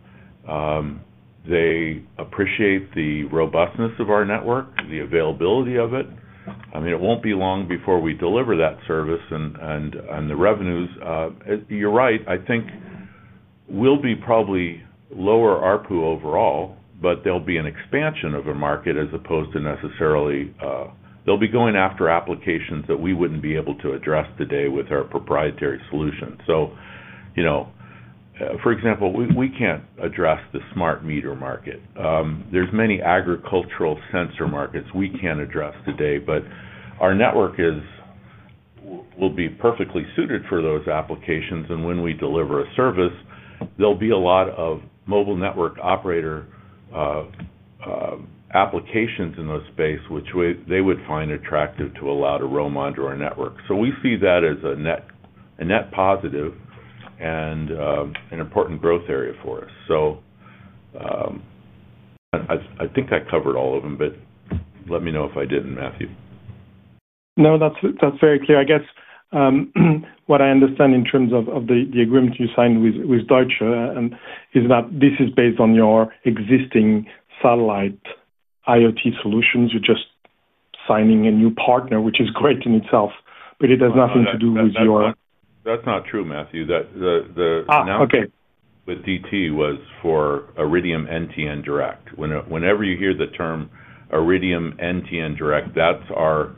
They appreciate the robustness of our network. The availability of it. I mean it won't be long before. We deliver that service and the revenues, you're right. I think we'll be probably lower ARPU. Overall, there'll be an expansion of. A market as opposed to necessarily, they'll. Be going after applications that we wouldn't be able to address today with our proprietary solution. For example, we can't. Address the smart meter market. There's many agricultural sensor markets we can't address today. Our network will be perfectly suited for those applications. When we deliver a service, there'll be a lot of mobile network operator. Applications and those space which they would. Find attractive to allow to roam onto our network. We see that as a net. Positive and an important growth area. For us. I think that covered all of them, but let me know if I didn't. Matthieu. No, that's very clear. I guess what I understand in terms of the agreement you signed with Deutsche Telekom is that this is based on your existing satellite IoT solutions. You're just signing a new partner, which is great in itself, but it has nothing to do with your. That's not true, Matthieu. With DT was for Iridium NTN Direct. Whenever you hear the term Iridium NTN. Direct, that's our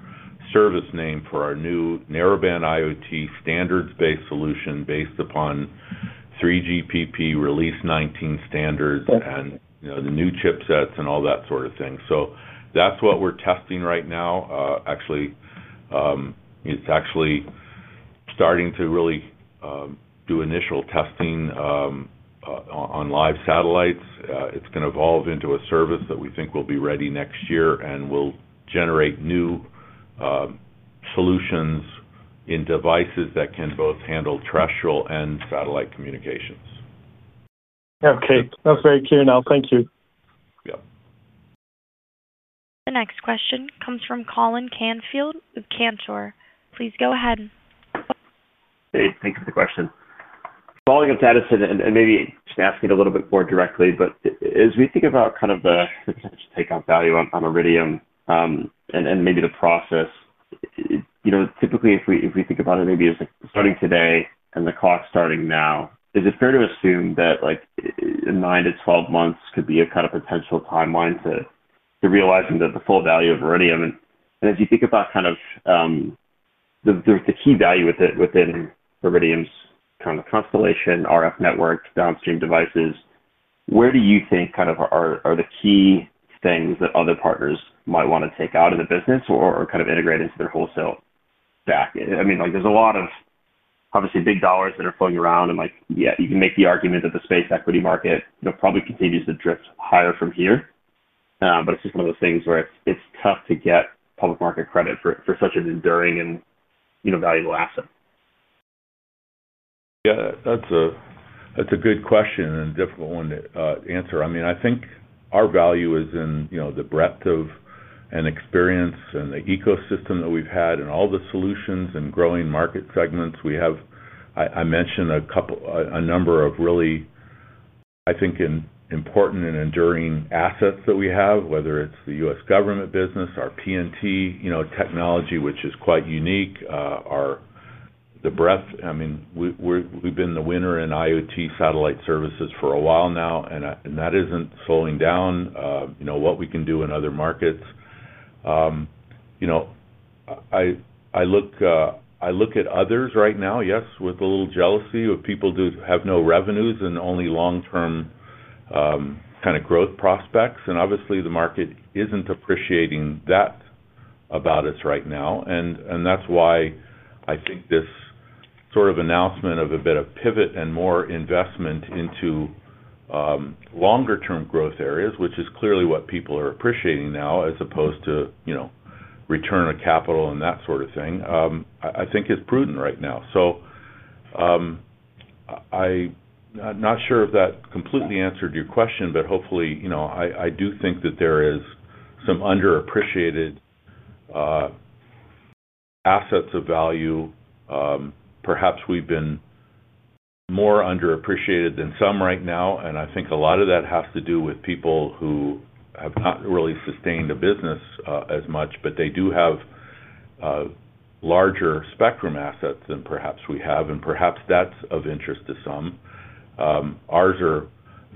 service name for our new narrowband IoT standards-based solution based on 3GPP Release 19 standards and the new chipsets and all that sort of thing. That's what we're testing right now actually. It's actually starting to really do initial testing on live satellites. It's going to evolve into a service. That we think will be ready next. Year and will generate new solutions in devices that can both handle terrestrial and satellite communications. Okay, that's very clear now. Thank you. The next question comes from Colin Canfield of Cantor. Please go ahead. Thank you for the question. Following up to Addison and maybe just asking it a little bit more directly. As we think about kind of the potential takeoff value on Iridium and maybe the process, typically, if we think about it maybe as starting today and the clock starting now, is it fair to assume that like nine month to 12 months could be a kind of potential timeline to realizing the full value of Iridium? As you think about kind of the key value within Iridium's constellation RF network downstream devices, where do you think are the key things that other partners might want to take out of the business or integrate into their wholesale back? There are a lot of obviously big dollars that are floating around and you can make the argument that the space equity market probably continues to drift higher from here, but it's just one of those things where it's tough to get public market credit for such an enduring and valuable asset. Yeah, that's a good question and a difficult one to answer. I think our value is in the breadth of an experience and the ecosystem that we've had, and all the solutions and growing market segments we have. I mentioned a number of really. Think important and enduring assets that we have, whether it's the U.S. government business. Our PNT technology, which is quite unique, the breadth. I mean, we've been the winner in IoT satellite services for a while now, and that isn't slowing down, you know, what we can do in other markets. You know. I look at others right now, yes, with a little jealousy of people who have no revenues and only long. Term kind of growth prospects. Obviously, the market isn't appreciating that. That's why I think this sort of announcement of a bit of pivot and more investment into longer term growth. Areas, which is clearly what people are appreciating now as opposed to, you know. Return of capital and that sort of thing, I think, is prudent right now. I'm not sure if that completely. Answered your question, but hopefully, you know. I do think that there is some. Underappreciated. Assets of value. Perhaps we've been more underappreciated than some right now. I think a lot of that has to do with people who have not really sustained a business as much, but they do have larger spectrum assets than perhaps we have. Perhaps that's of interest to some. Ours are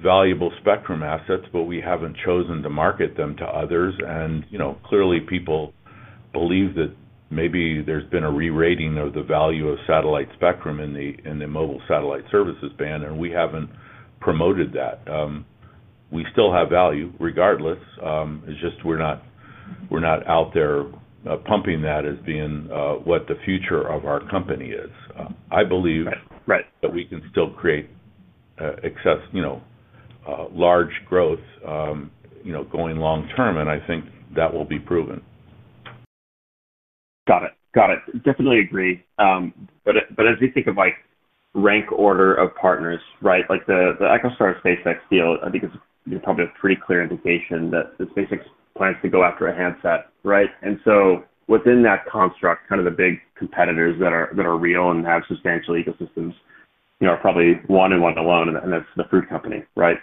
valuable spectrum assets. We haven't chosen to market them to others. Clearly, people believe that maybe there's been a rerating of the value of. Satellite spectrum in the mobile satellite services. Ban, and we haven't promoted that. We still have value regardless. It's just we're not out there pumping. That as being what the future of our company is. I believe that we can still create. Excess, large growth, going long term. I think that will be proven. Got it, got it. Definitely agree. As we think of like rank order of partners, right, like the EchoStar-SpaceX deal, I think is probably a pretty clear indication that SpaceX plans to go after a handset. Right. Within that construct, the big competitors that are real and have substantial ecosystems are probably one and one alone, and that's the fruit company, right.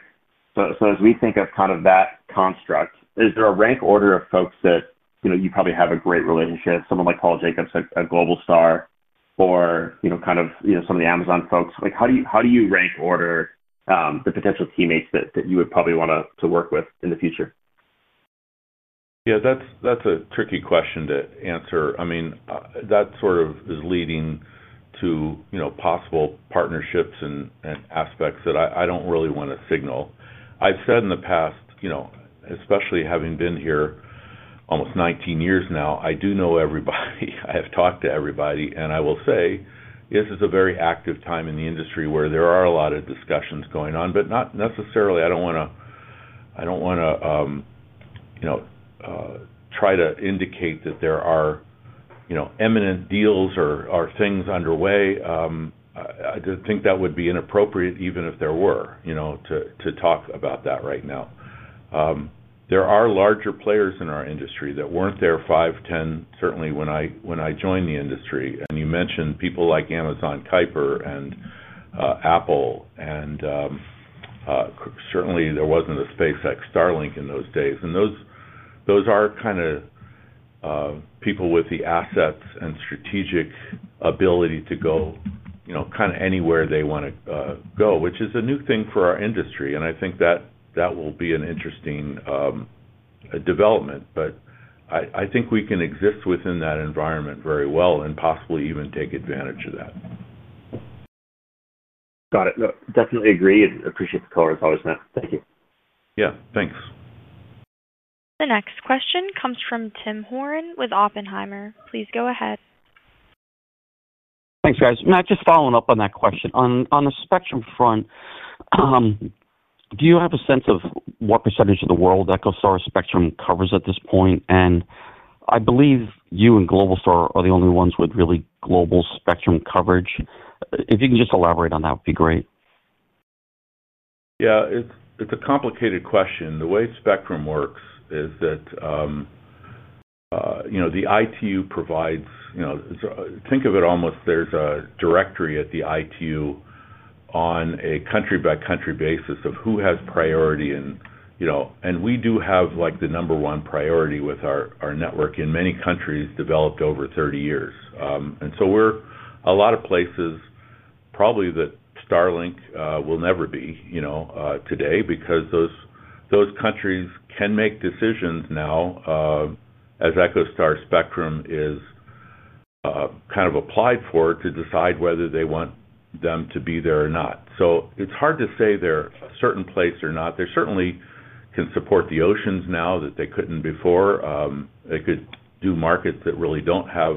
As we think of that construct, is there a rank order of folks that you probably have a great relationship with, someone like Paul Jacobs, Globalstar, or some of the Amazon folks? How do you rank order the potential teammates that you would probably want to work with in the future? Yeah, that's a tricky question to answer. I mean, that is leading. To possible partnerships and aspects. That I don't really want to signal. I've said in the past, especially having been here almost 19 years. Now, I do know everybody. I have talked to everybody and I will say. This is a very active time. The industry where there are a lot. Of discussions going on, not necessarily. I don't want to try to indicate this there are imminent deals or things underway. I think that would be inappropriate, even. If they were to talk about that right now. There are larger players in our industry that weren't there. Five, 10, certainly when I joined. Industry, and you mentioned people like Amazon, Kuiper and Apple and certainly there wasn't. A SpaceX Starlink in those days. Those are kind of people with. The assets and strategic ability to go kind of anywhere they want to go. Which is a new thing for our industry. I think that will be an interesting development. I think we can exist within. That environment very well, and possibly even take advantage of that. Got it. Definitely agree and appreciate the color as always, Matt. Thank you. Yeah, thanks. The next question comes from Tim Horan with Oppenheimer. Please go ahead. Thanks, guys. Matt, just following up on that question on the spectrum front. Do you have a sense of what percentage of the world EchoStar spectrum covers at this point? I believe you and Globalstar are the only ones with really global spectrum coverage. If you can just elaborate on that, would be great. Yeah, it's a complicated question. The way spectrum works is that the ITU provides, you know, think of it almost there's a directory at the ITU on a country by country. Basis of who has priority. We do have. Like the number one priority with our network in many countries developed over 30 years, we're in a lot of places probably that Starlink will never be today. Because those countries can make decisions now as EchoStar spectrum is kind of applied. For them to decide whether they want them to be there or not. It's hard to say they're a certain place or not. They certainly can support the oceans now that they couldn't before. It could do markets that really don't have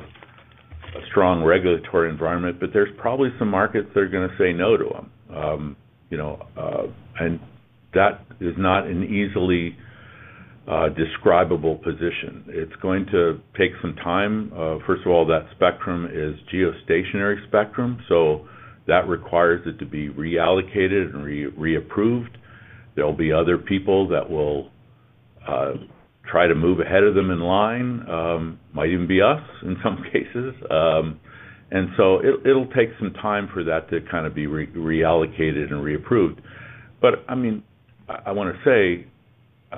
a strong regulatory environment. There are probably some markets that are. Going to say no to them, and that is not an easily describable position. It's going to take some time. First of all, that spectrum is geostationary spectrum, so that requires that to be reallocated and reapproved. There'll be other people that will try to move ahead of them in line. Might even be us in some cases. It'll take some time for. That kind of needs to be reallocated and reapproved. I want to say.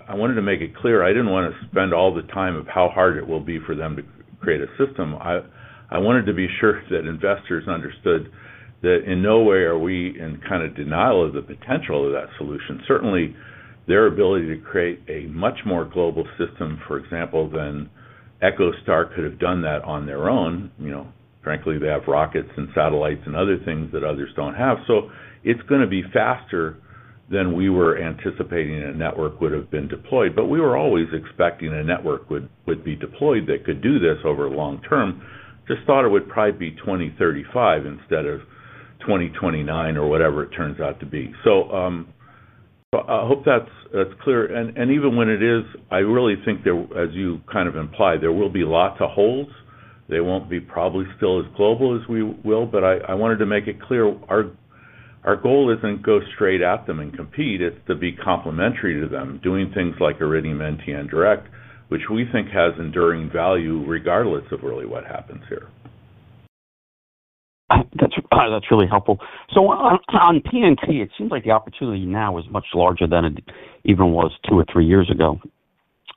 I wanted to make it clear. Didn't want to spend all the time of how hard it will be for them to create a system. I wanted to be sure that investors understood that in no way are we in kind of denial of the potential of that solution. Certainly their ability to create a much more global system, for example, than EchoStar. Could have done that on their own. Frankly, they have rockets and satellites and other things that others don't have. It's going to be faster than. We were anticipating a network would have been deployed. We were always expecting a network would be deployed that could do. This over the long term. Just thought it would probably be 2035. Instead of 2029 or whatever it turns out to be. I hope that's clear. Even when it is, I really. Think as you kind of imply there. will be lots of holds. They probably still won't be as global as we will. I wanted to make it clear our goal isn't to go straight at them and compete. It's to be complementary to them doing things like Iridium NTN Direct, which we think has enduring value regardless of really what happens here. That's really helpful. On PNT, it seems like the opportunity now is much larger than it even was two or three years ago.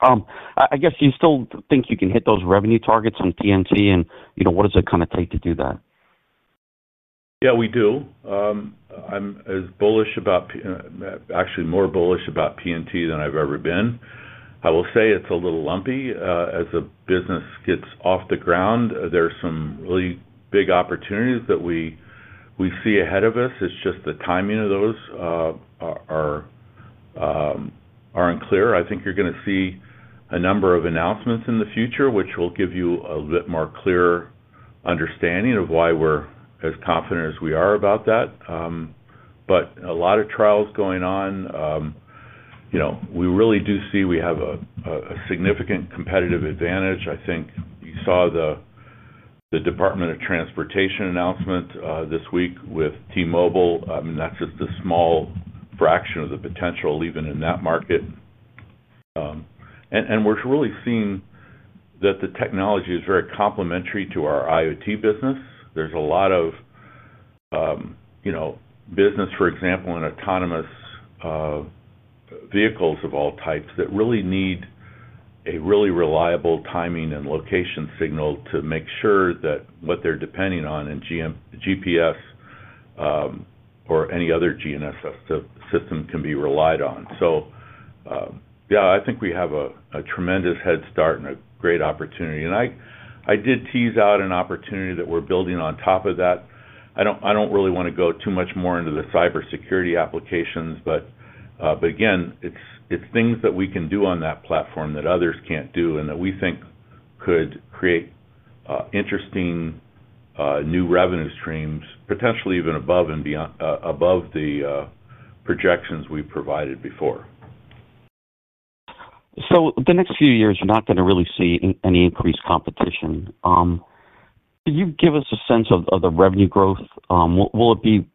I guess you still think you can hit those revenue targets on PNT, and, you know, what does it kind of take to do that? Yeah, we do. I'm as bullish about, actually more bullish about PNT than I've ever been. I will say it's a little lumpy as the business gets off the ground. There are some really big opportunities that we see ahead of us. It's just the timing of those. Are unclear. I think you're going to see a. Number of announcements in the future, which. Will give you a bit more clear. Understanding of why we're as confident as. We are about that. There are a lot of trials going on. You know, we really do see we. Have a significant competitive advantage. I think you saw the Department of. Transportation announcement this week with T-Mobile. I mean, that's just a small fraction of the potential even in that market. We are really seeing that the technology. Is very complementary to our IoT business. There's a lot of business, for example, in autonomous vehicles of all types that really need a really reliable. Timing and location signal to make sure that what they're depending on in GPS or any other GNSS, the system can be relied on. I think we have a. Tremendous head start and a great opportunity. I did tease out an opportunity that we're building. On top of that, I don't really want to go too. Much more into the cyber security applications. Again, it's things that we can. Do on that platform that others can't. We think that could create interesting new revenue streams, potentially even above and beyond the projections we provided before. The next few years you're not going to really see any increased competition. Can you give us a sense of the revenue growth? Will it be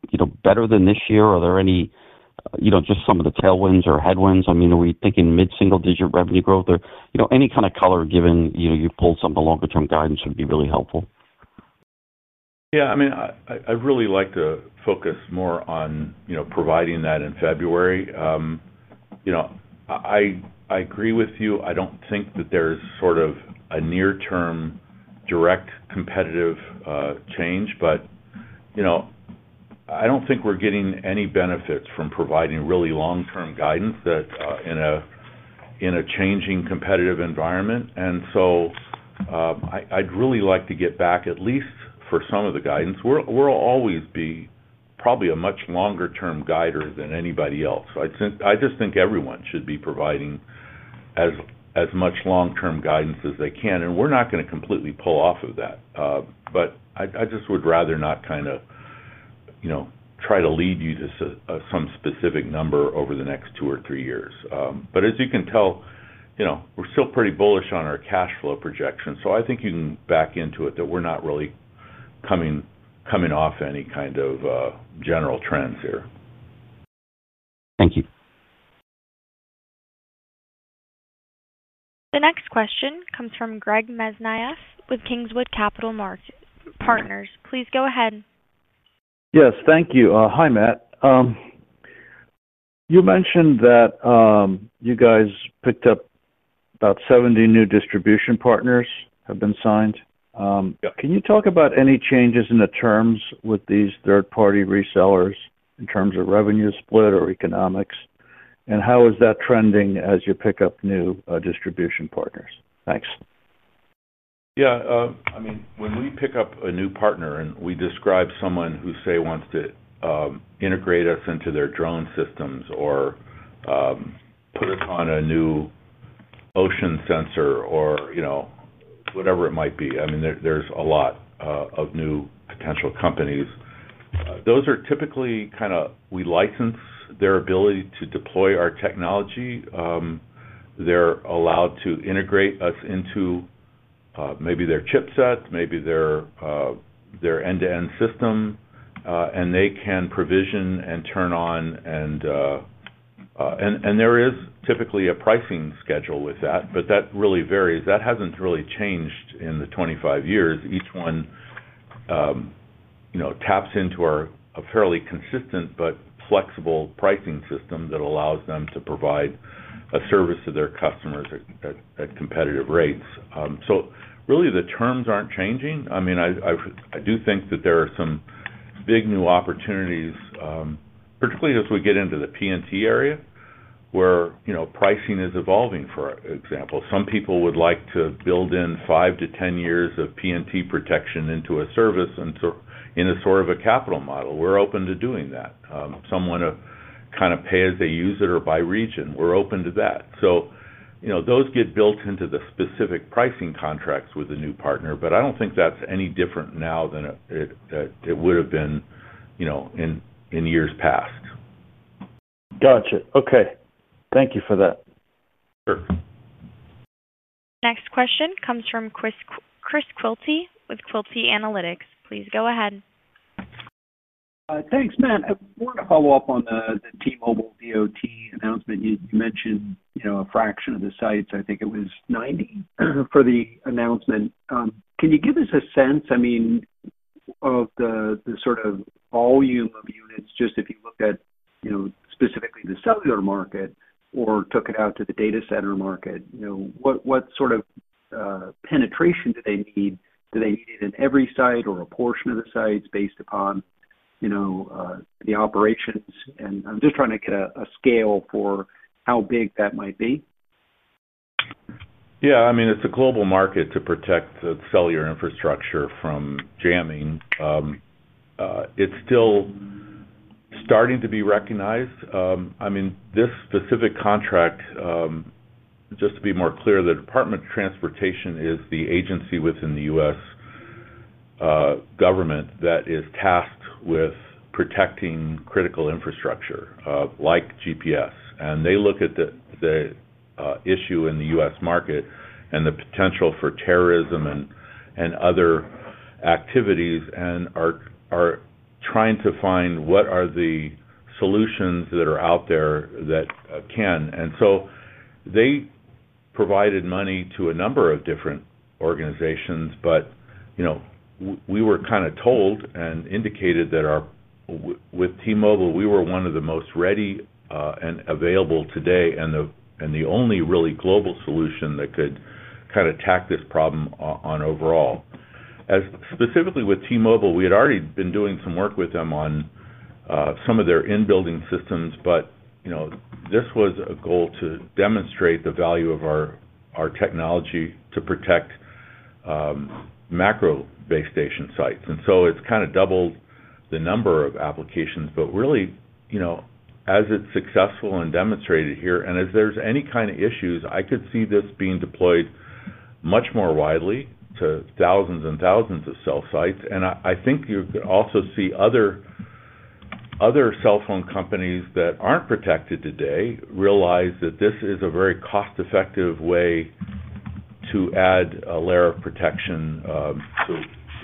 better than this year? Are there any, you know, just some of the tailwinds or headwinds? I mean, are we thinking mid single digit revenue growth or, you know, any kind of color given, you know, you pulled some longer term guidance would be really helpful. Yeah, I mean, I'd really like to focus more on providing that in February. I agree with you. I don't think that there's sort of a near-term direct competitive change. I don't think we're getting any benefits from providing really long-term guidance in a changing competitive environment. I'd really like to get. Back at least for some of the guidance. We'll always be probably a much longer term guider than anybody else. I just think everyone should be providing. As much long-term guidance as they. Can, and we're not going to completely. I just would rather not kind of pull off of that. You know, try to lead you to some specific number over the, the. Next two or three years, as you can tell, you know. We're still pretty bullish on our cash flow projection. I think you can back into it. It's that we're not really coming off any kind of general trends here. Thank you. The next question comes from Greg Mesniaeff with Kingswood Capital Partners. Please go ahead. Yes, thank you. Hi, Matt. You mentioned that you guys picked up about 70 new distribution partners have been signed. Can you talk about any changes in the terms with these third party resellers in terms of revenue split or economics? How is that trending as you. Pick up new distribution partners? Thanks. Yeah, I mean when we pick up. A new partner, and we describe someone who, say, wants to integrate us into their drone systems or put us on a new ocean sensor or, you know, whatever it might be. I mean, there's a lot of new potential companies. Those are typically kind of, we license their ability to deploy our technology. They're. Allowed to integrate us into maybe their chipset, maybe their end-to-end system, and they can provision and turn on. There is typically a pricing schedule. With that, that really varies. That hasn't really changed in the 25 years, each one. Taps into a fairly consistent, but flexible pricing system that allows them. To provide a service to their customers at competitive rates. The terms aren't changing. I do think that there are some big new opportunities, particularly as. We get into the PNT. Area where pricing is evolving. For example, some people would like to. Build in five to 10 years. PNT per tier protection into a service in a sort of a capital model. We're open to doing that. Someone to kind of pay as they. Use it or by region. We're open to that. You know, those get built into. The specific pricing contracts with a new partner, I don't think that's any different. Now than it would have been in years past. Gotcha. Okay, thank you for that. Next question comes from Chris Quilty with Quilty Analytics. Please go ahead. Thanks, Matt. I wanted to follow up on the T-Mobile D2D announcement. You mentioned, you know, a fraction of the sites, I think it was 90 for the announcement. Can you give us a sense, I mean, of the sort of volume of units? Just if you look at, you know, specifically the cellular market or took it out to the data center market, what sort of penetration do they need? Do they need it in every site or a portion of the sites based upon the operations? I'm just trying to get a scale for how big that might be. Yeah, I mean it's a global market. To protect cellular infrastructure from jamming, it's still starting to be recognized. I mean this specific contract. Just to be more clear, the Department of Transportation is the agency within the. U.S. Government that is tasked with protecting. Critical infrastructure like GPS. They look at the issue in the U.S. market and the potential for terrorism and other activities and are trying to find what are the solutions that. Are out there that can. They provided money to a number of different organizations. We were kind of. Told and indicated that our with T. Mobile, we were one of the most ready and available today, and the only really global solution that could be kind of attack this problem overall, specifically with T-Mobile. We had already been doing some work with them on some of their in. Building systems, but you know this was. A goal to demonstrate the value of. Our technology to protect macro base station sites. It has kind of doubled the number of applications. Really, as it's successful and demonstrated here, if there's any kind of issues, I could see this being deployed much more widely to thousands and thousands of cell sites. I think you could also see other cell phone companies that aren't protected today realize that this is a very cost-effective way to add a layer. Protection to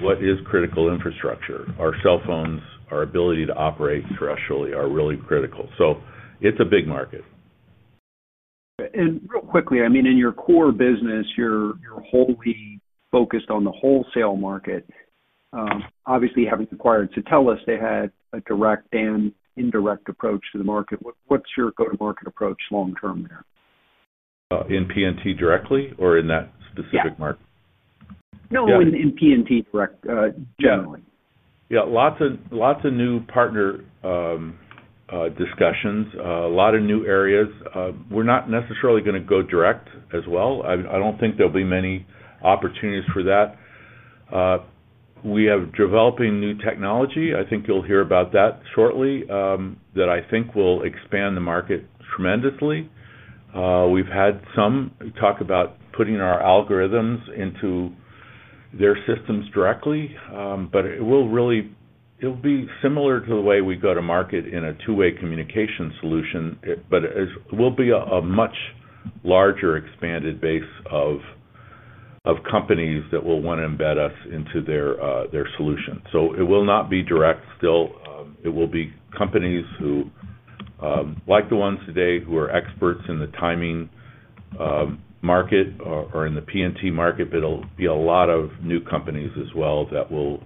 what is critical infrastructure. Our cell phones, our ability to operate terrestrially, are really critical. Critical. It is a big market and real. Quickly, I mean, in your core business, you're wholly focused on the wholesale market, obviously having acquired to tell us they had a direct and indirect approach to the market. What's your go-to-market approach long. Term there in PNT directly or in that specific market? No, in PNT, direct generally, yeah. Lots of new partner discussions, a lot of new areas. We're not necessarily going to go direct as well. I don't think there'll be many opportunities for that. We are developing new technology. I think you'll hear about that shortly. I think that will expand the market tremendously. We've had some talk about putting our algorithms into their systems directly, but it will really be similar to the way we go to market in a two-way communication solution, but it will be a much larger expanded base. Companies that will want to embed us into their solution. It will not be direct still. It will be companies who, like the ones today who are experts in the timing market or in the PNT. The market, but it'll be a lot. Of new companies as well. Will.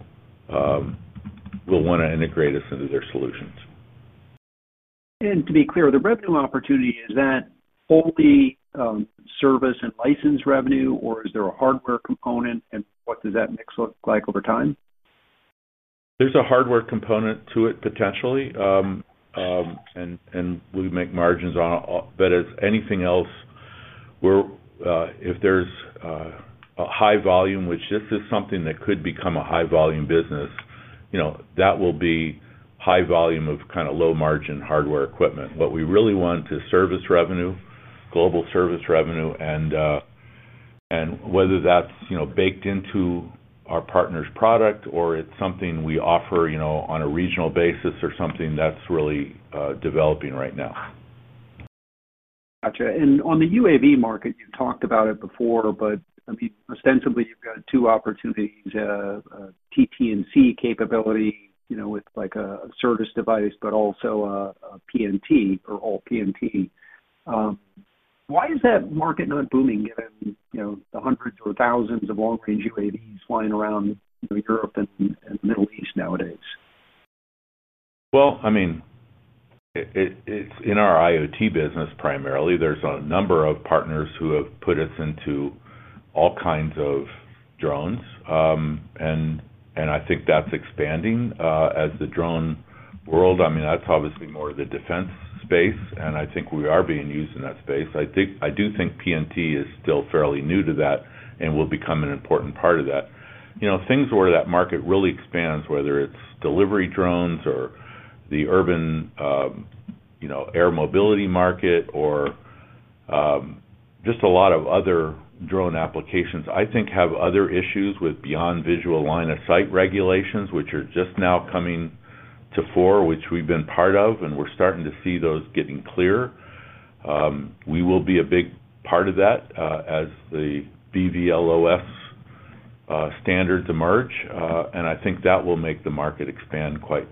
Want to integrate us into their solutions. To be clear, the revenue opportunity, is that fully service and license revenue or is there a hardware component, and what does that mix look like over time? There's a hardware component to it, potentially. We make margins on that as anything else. If there's a high volume, which this. Is something that could become a high. Volume business, that will be high volume of kind of low margin hardware equipment. What we really want is service revenue, global service revenue. Whether that's baked into our partner's product, or it's something we offer on a regional basis, or something that's really developing right now. Gotcha. On the UAV market, you talked about it before, but ostensibly you've got two opportunities. TTNC capability, you know, with like a Certus device, but also PNT or all PNT. Why is that market not booming given, you know, the hundreds or thousands of long-range UAVs flying around Europe and Middle East nowadays? It is in our IoT business primarily. There's a number of partners who have. Put us into all kinds of drones. I think that's expanding as the drone world. I mean, that's obviously more the defense space. I think we are being used in that space. I do think PNT is still fairly new to that and will become an important, important part of that. Things where that market really expands, whether it's delivery drones or the urban air mobility market or just a lot of other drone applications. I think I have other issues with beyond. Visual line of sight regulations, which are just now coming to fore, which we've been part of. We're starting to see those getting clear. We will be a big part of that as the BVLOS standards emerge, and I think that will make the market. Expand quite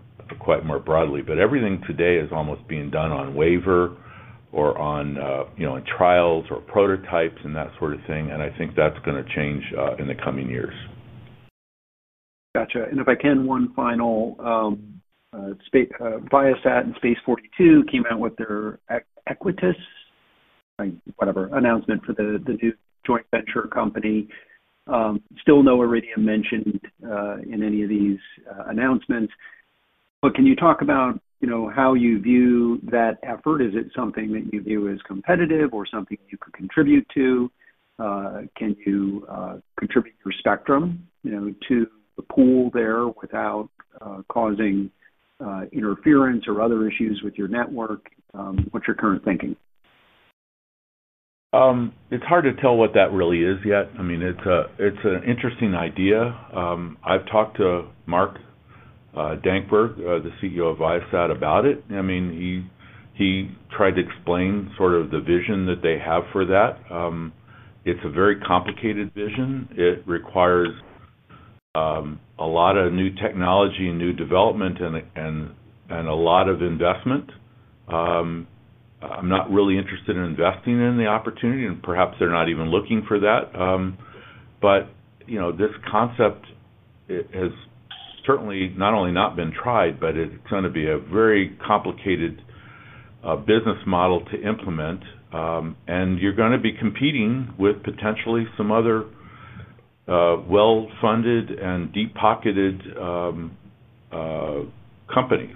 more broadly. Everything today is almost being done on waiver or on, you know, trials or prototypes and that sort of thing. I think that's going to change in the coming years. Gotcha. If I can, one final Viasat and Space42 came out with their Equatys whatever announcement for the new joint venture company. Still no Iridium mentioned in any of these announcements. Can you talk about how you view that effort? Is it something that you view as competitive or something you could contribute to? Can you contribute your spectrum to the pool there without causing interference or other issues with your network? What's your current thinking? It's hard to tell what that really is yet. I mean, it's an interesting idea. I've talked to Mark Dankberg, the CEO of Viasat, about it. I mean, he tried to explain sort of the vision that they have for that. It's a very complicated vision. It requires a lot of new technology, new development, and a lot of investment. I'm not really interested in investing in. The opportunity, and perhaps they're not even looking for that. This concept has certainly not only. Not been tried, but it's going to. Be a very complicated business model to implement, and you're going to be competing. Competing with potentially some other well-funded. Deep pocketed. Companies.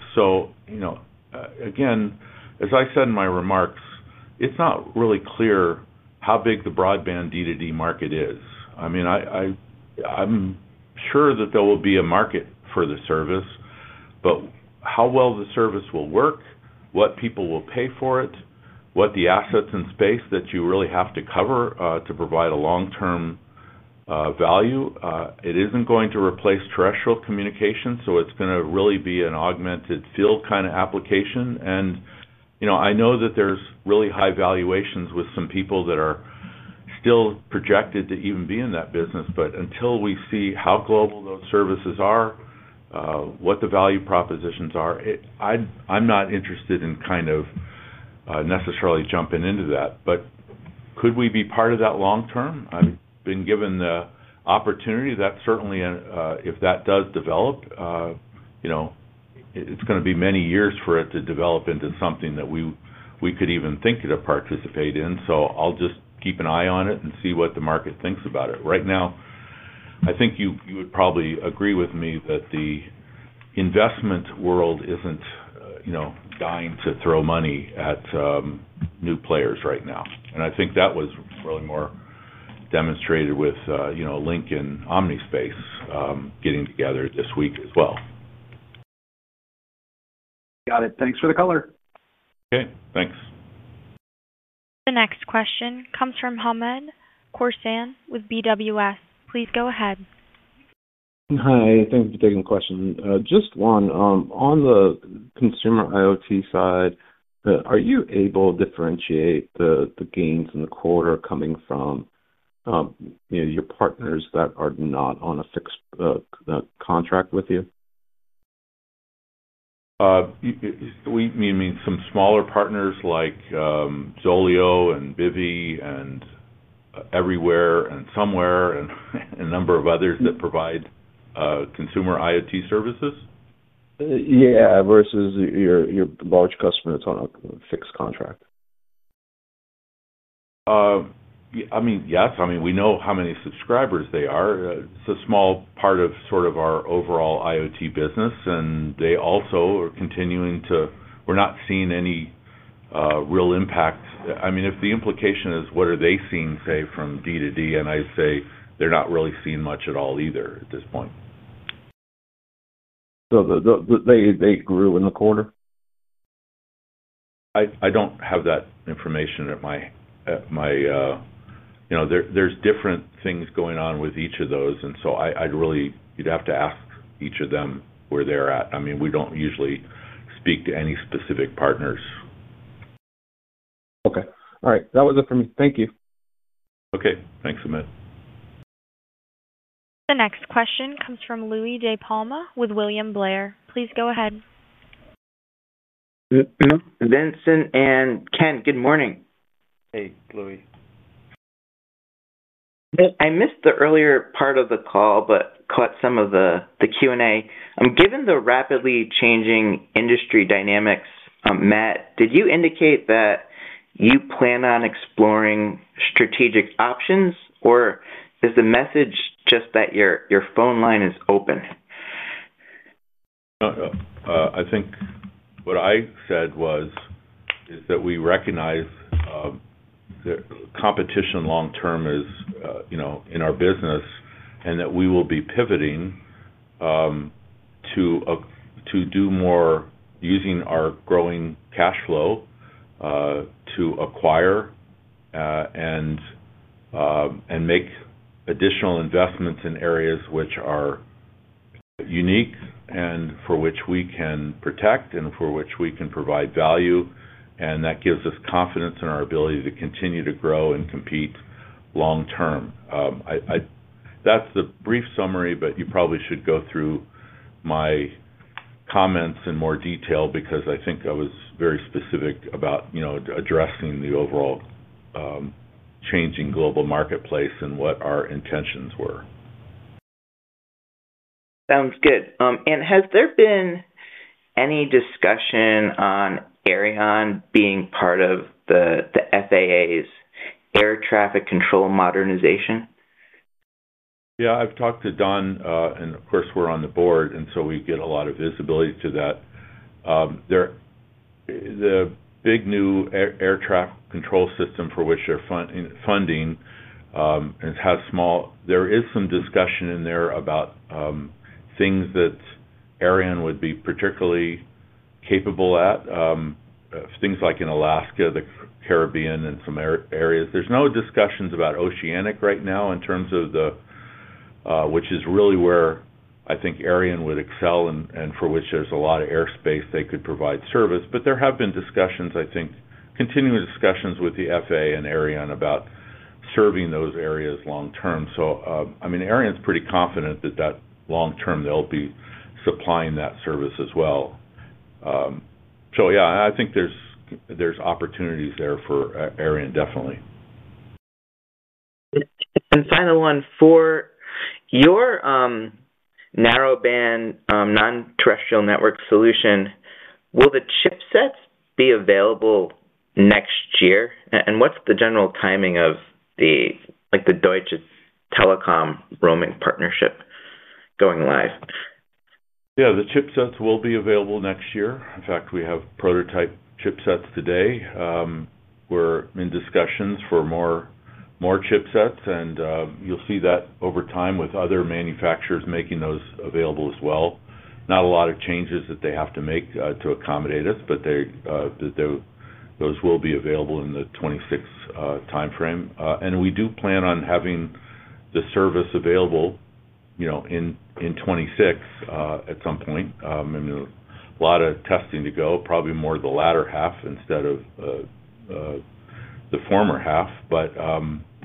As I said in my remarks, it's not really clear how big the broadband D2D market is. I mean, I'm sure that there will be a market for the service, but how well the service will work, what people will pay for it, what the assets in space that you really have to cover to provide a long-term value. It isn't going to replace terrestrial communications. It's going to really be an. Augmented field kind of application. I know that there's really high valuations with some people that are still projected to even be in that business. Until we see how global those services are, what the value propositions are, I'm not interested in kind of necessarily jumping into that, but could we be part of that long term? I've been given the opportunity, certainly. If that does develop, you know it's going to be many years for it to develop into something that we could. Even think to participate in. I'll just keep an eye on it and see what the market thinks about it. Right now, I think you would probably. Agree with me that the investment world. Isn't, you know, dying to throw money at new players right now. I think that was really more demonstrated with, you know, Lynk and Omnispace. Getting together this week as well. Got it. Thanks for the color. Okay, thanks. The next question comes from Hamed Khorsand with BWS. Please go ahead. Hi. Thanks for taking the question. Just one. On the consumer IoT side, are you able to differentiate the gains in the quarter coming from your partners that are not on a fixed contract with you? You mean some smaller partners like Zoleo, Bivy, everywhere, and somewhere. A number of others that provide consumer IoT services? Yeah. Versus your large customer that's on a fixed contract? Yes, we know how many subscribers they are. It's a small part of our overall IoT business. They also are continuing to. We're not seeing any real impact. If the implication is, what are they seeing, say, from D2D? They're not really seeing. They grew in the quarter. I don't have that information at my, you know, there's different things going on with each of those. I'd really. You'd have to ask each of them where they're at. I mean, we don't usually speak to any specific partners. Okay. All right. That was it for me. Thank you. Okay. Thanks, Hamed. The next question comes from Louis DiPalma with William Blair. Please go ahead. Vincent and Ken, good morning. Hey, Louis. I missed the earlier part of the call, but caught some of the Q&A given the rapidly changing industry dynamics. Matt, did you indicate that you plan on exploring strategic options, or is the message just that your phone line is open? I think what I said was that we recognize that competition long term is in our business and that we will be pivoting to do more, using our growing cash flow to acquire and. Make additional investments in areas which are. Unique and for which we can protect and for which we can provide value. That gives us confidence in our. Ability to continue to grow and compete long term. That's a brief summary, but you probably. Should go through my comments in more detail, because I think I was very specific about addressing the overall changing global. Marketplace and what our intentions were. Sounds good. Has there been any discussion on Aireon being part of the FAA's air traffic control modernization? Yeah, I've talked to Don and of. course we're on the board, and so we get a lot of visibility to that. The big new air traffic control system for which they're funding. There is some discussion in there about. About things that Iridium would be particularly capable at, things like in Alaska, the Caribbean, and some areas. There's no discussions about oceanic right now in terms of the. Which is really where I think Iridium would excel and for which there's a. Lot of airspace they could provide service. There have been discussions, I think. Continuing discussions with the FAA and Aireon about serving those areas long term. Aireon's pretty confident that long term they'll be supplying that service as well. I think there's opportunities there for Aireon, definitely. For your narrowband non-terrestrial network solution, will the chipsets be available next year, and what's the general timing of the Deutsche Telekom roaming partnership going live? Yeah, the chipsets will be available next year. In fact, we have prototype chipsets today. We're in discussions for more chipsets. You'll see that over time with other manufacturers making those available as well. Not a lot of changes to that. Have to make to accommodate us, but those will be available in the 2026 time frame. We do plan on having the. Service available, you know, in 2026 at some point. A lot of testing to go, probably more the latter half instead of the former half,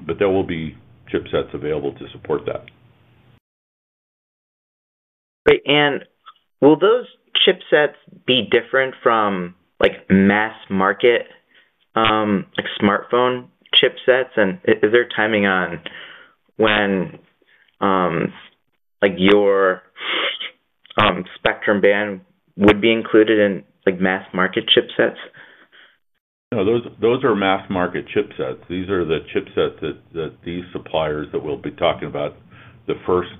but there will be chipsets. Available to support that. Will those chipsets be different from mass market, like smartphone chipsets? Is there timing on when your spectrum band would be included in mass market chipsets? No, those are mass market chipsets. These are the chipsets that these suppliers that we'll be talking about. The first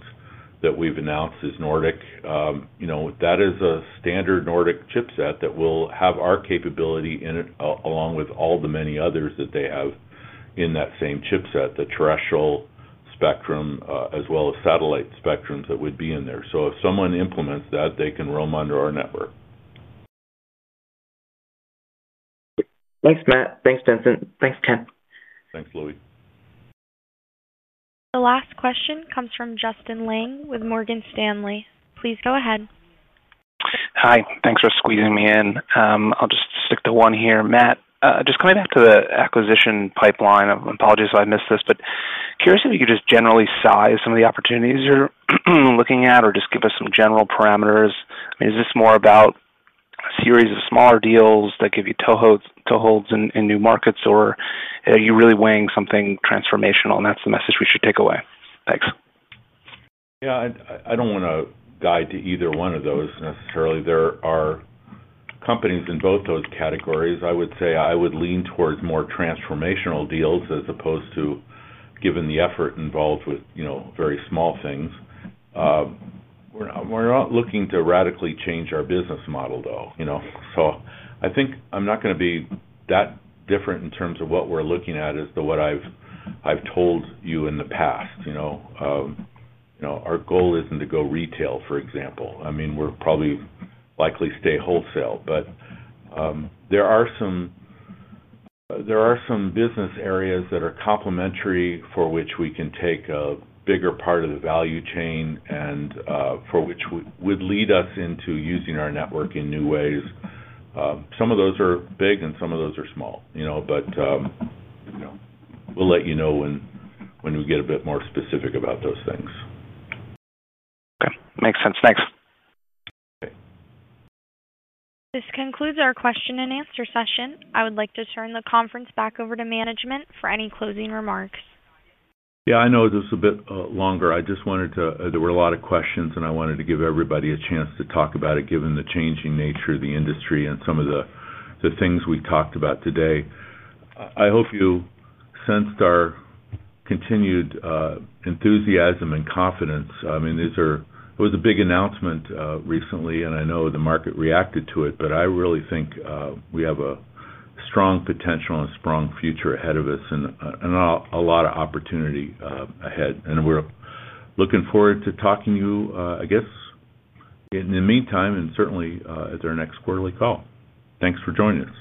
that we've announced is Nordic. You know, that is a standard Nordic chipset that will have our capability in it along with all the many others. That they have in that same chipset. The terrestrial spectrum as well as satellite. Spectrums that would be in there. If someone implements that, they can roam under our network. Thanks, Matt. Thanks, Vincent. Thanks, Ken. Thanks, Louis. The last question comes from Justin Lang with Morgan Stanley. Please go ahead. Hi. Thanks for squeezing me in. I'll just stick to one here. Matt, just coming back to the acquisition pipeline. Apologies if I missed this, but curious if you could just generally size some of the opportunities you're looking at or just give us some general parameters. Is this more about a series of smaller deals that give you toeholds in new markets or are you really weighing something transformational and that's the message we should take away. Thanks. I don't want to guide to either one of those necessarily. There are companies in both those categories. I would say I would lean towards more transformational deals as opposed to, given the effort involved, with very small things. We're not looking to radically change our business model. We're not. I think I'm not going to. Be that different in terms of what we're looking at, as to what I've told you in. The past. Our goal isn't to go retail, for example. I mean, we're probably likely to stay wholesale. There are some business areas that. Are complementary for which we can take. A bigger part of the value chain. For which would lead us into using. Our network in new ways. Some of those are big and some. Those are small, you know. We'll let you know when we get a bit more specific about those things. Okay, makes sense. Thanks. This concludes our question and answer session. I would like to turn the conference back over to management for any closing remarks. Yeah, I know this is a bit longer. I just wanted to. There were a lot of questions, and I wanted to give everybody a chance to talk about it. Given the changing nature of the industry and some of the things we talked about today, I hope you sensed our continued enthusiasm and confidence. I mean, these are. It was a big announcement recently. I know the market reacted to it, but I really think we have a. Strong potential and strong future ahead. Us and a lot of opportunity ahead. We're looking forward to talking to you, I guess, in the meantime and certainly at our next quarterly call. Thanks for joining us.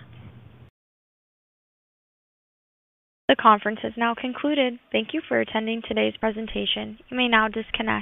The conference has now concluded. Thank you for attending today's presentation. You may now disconnect.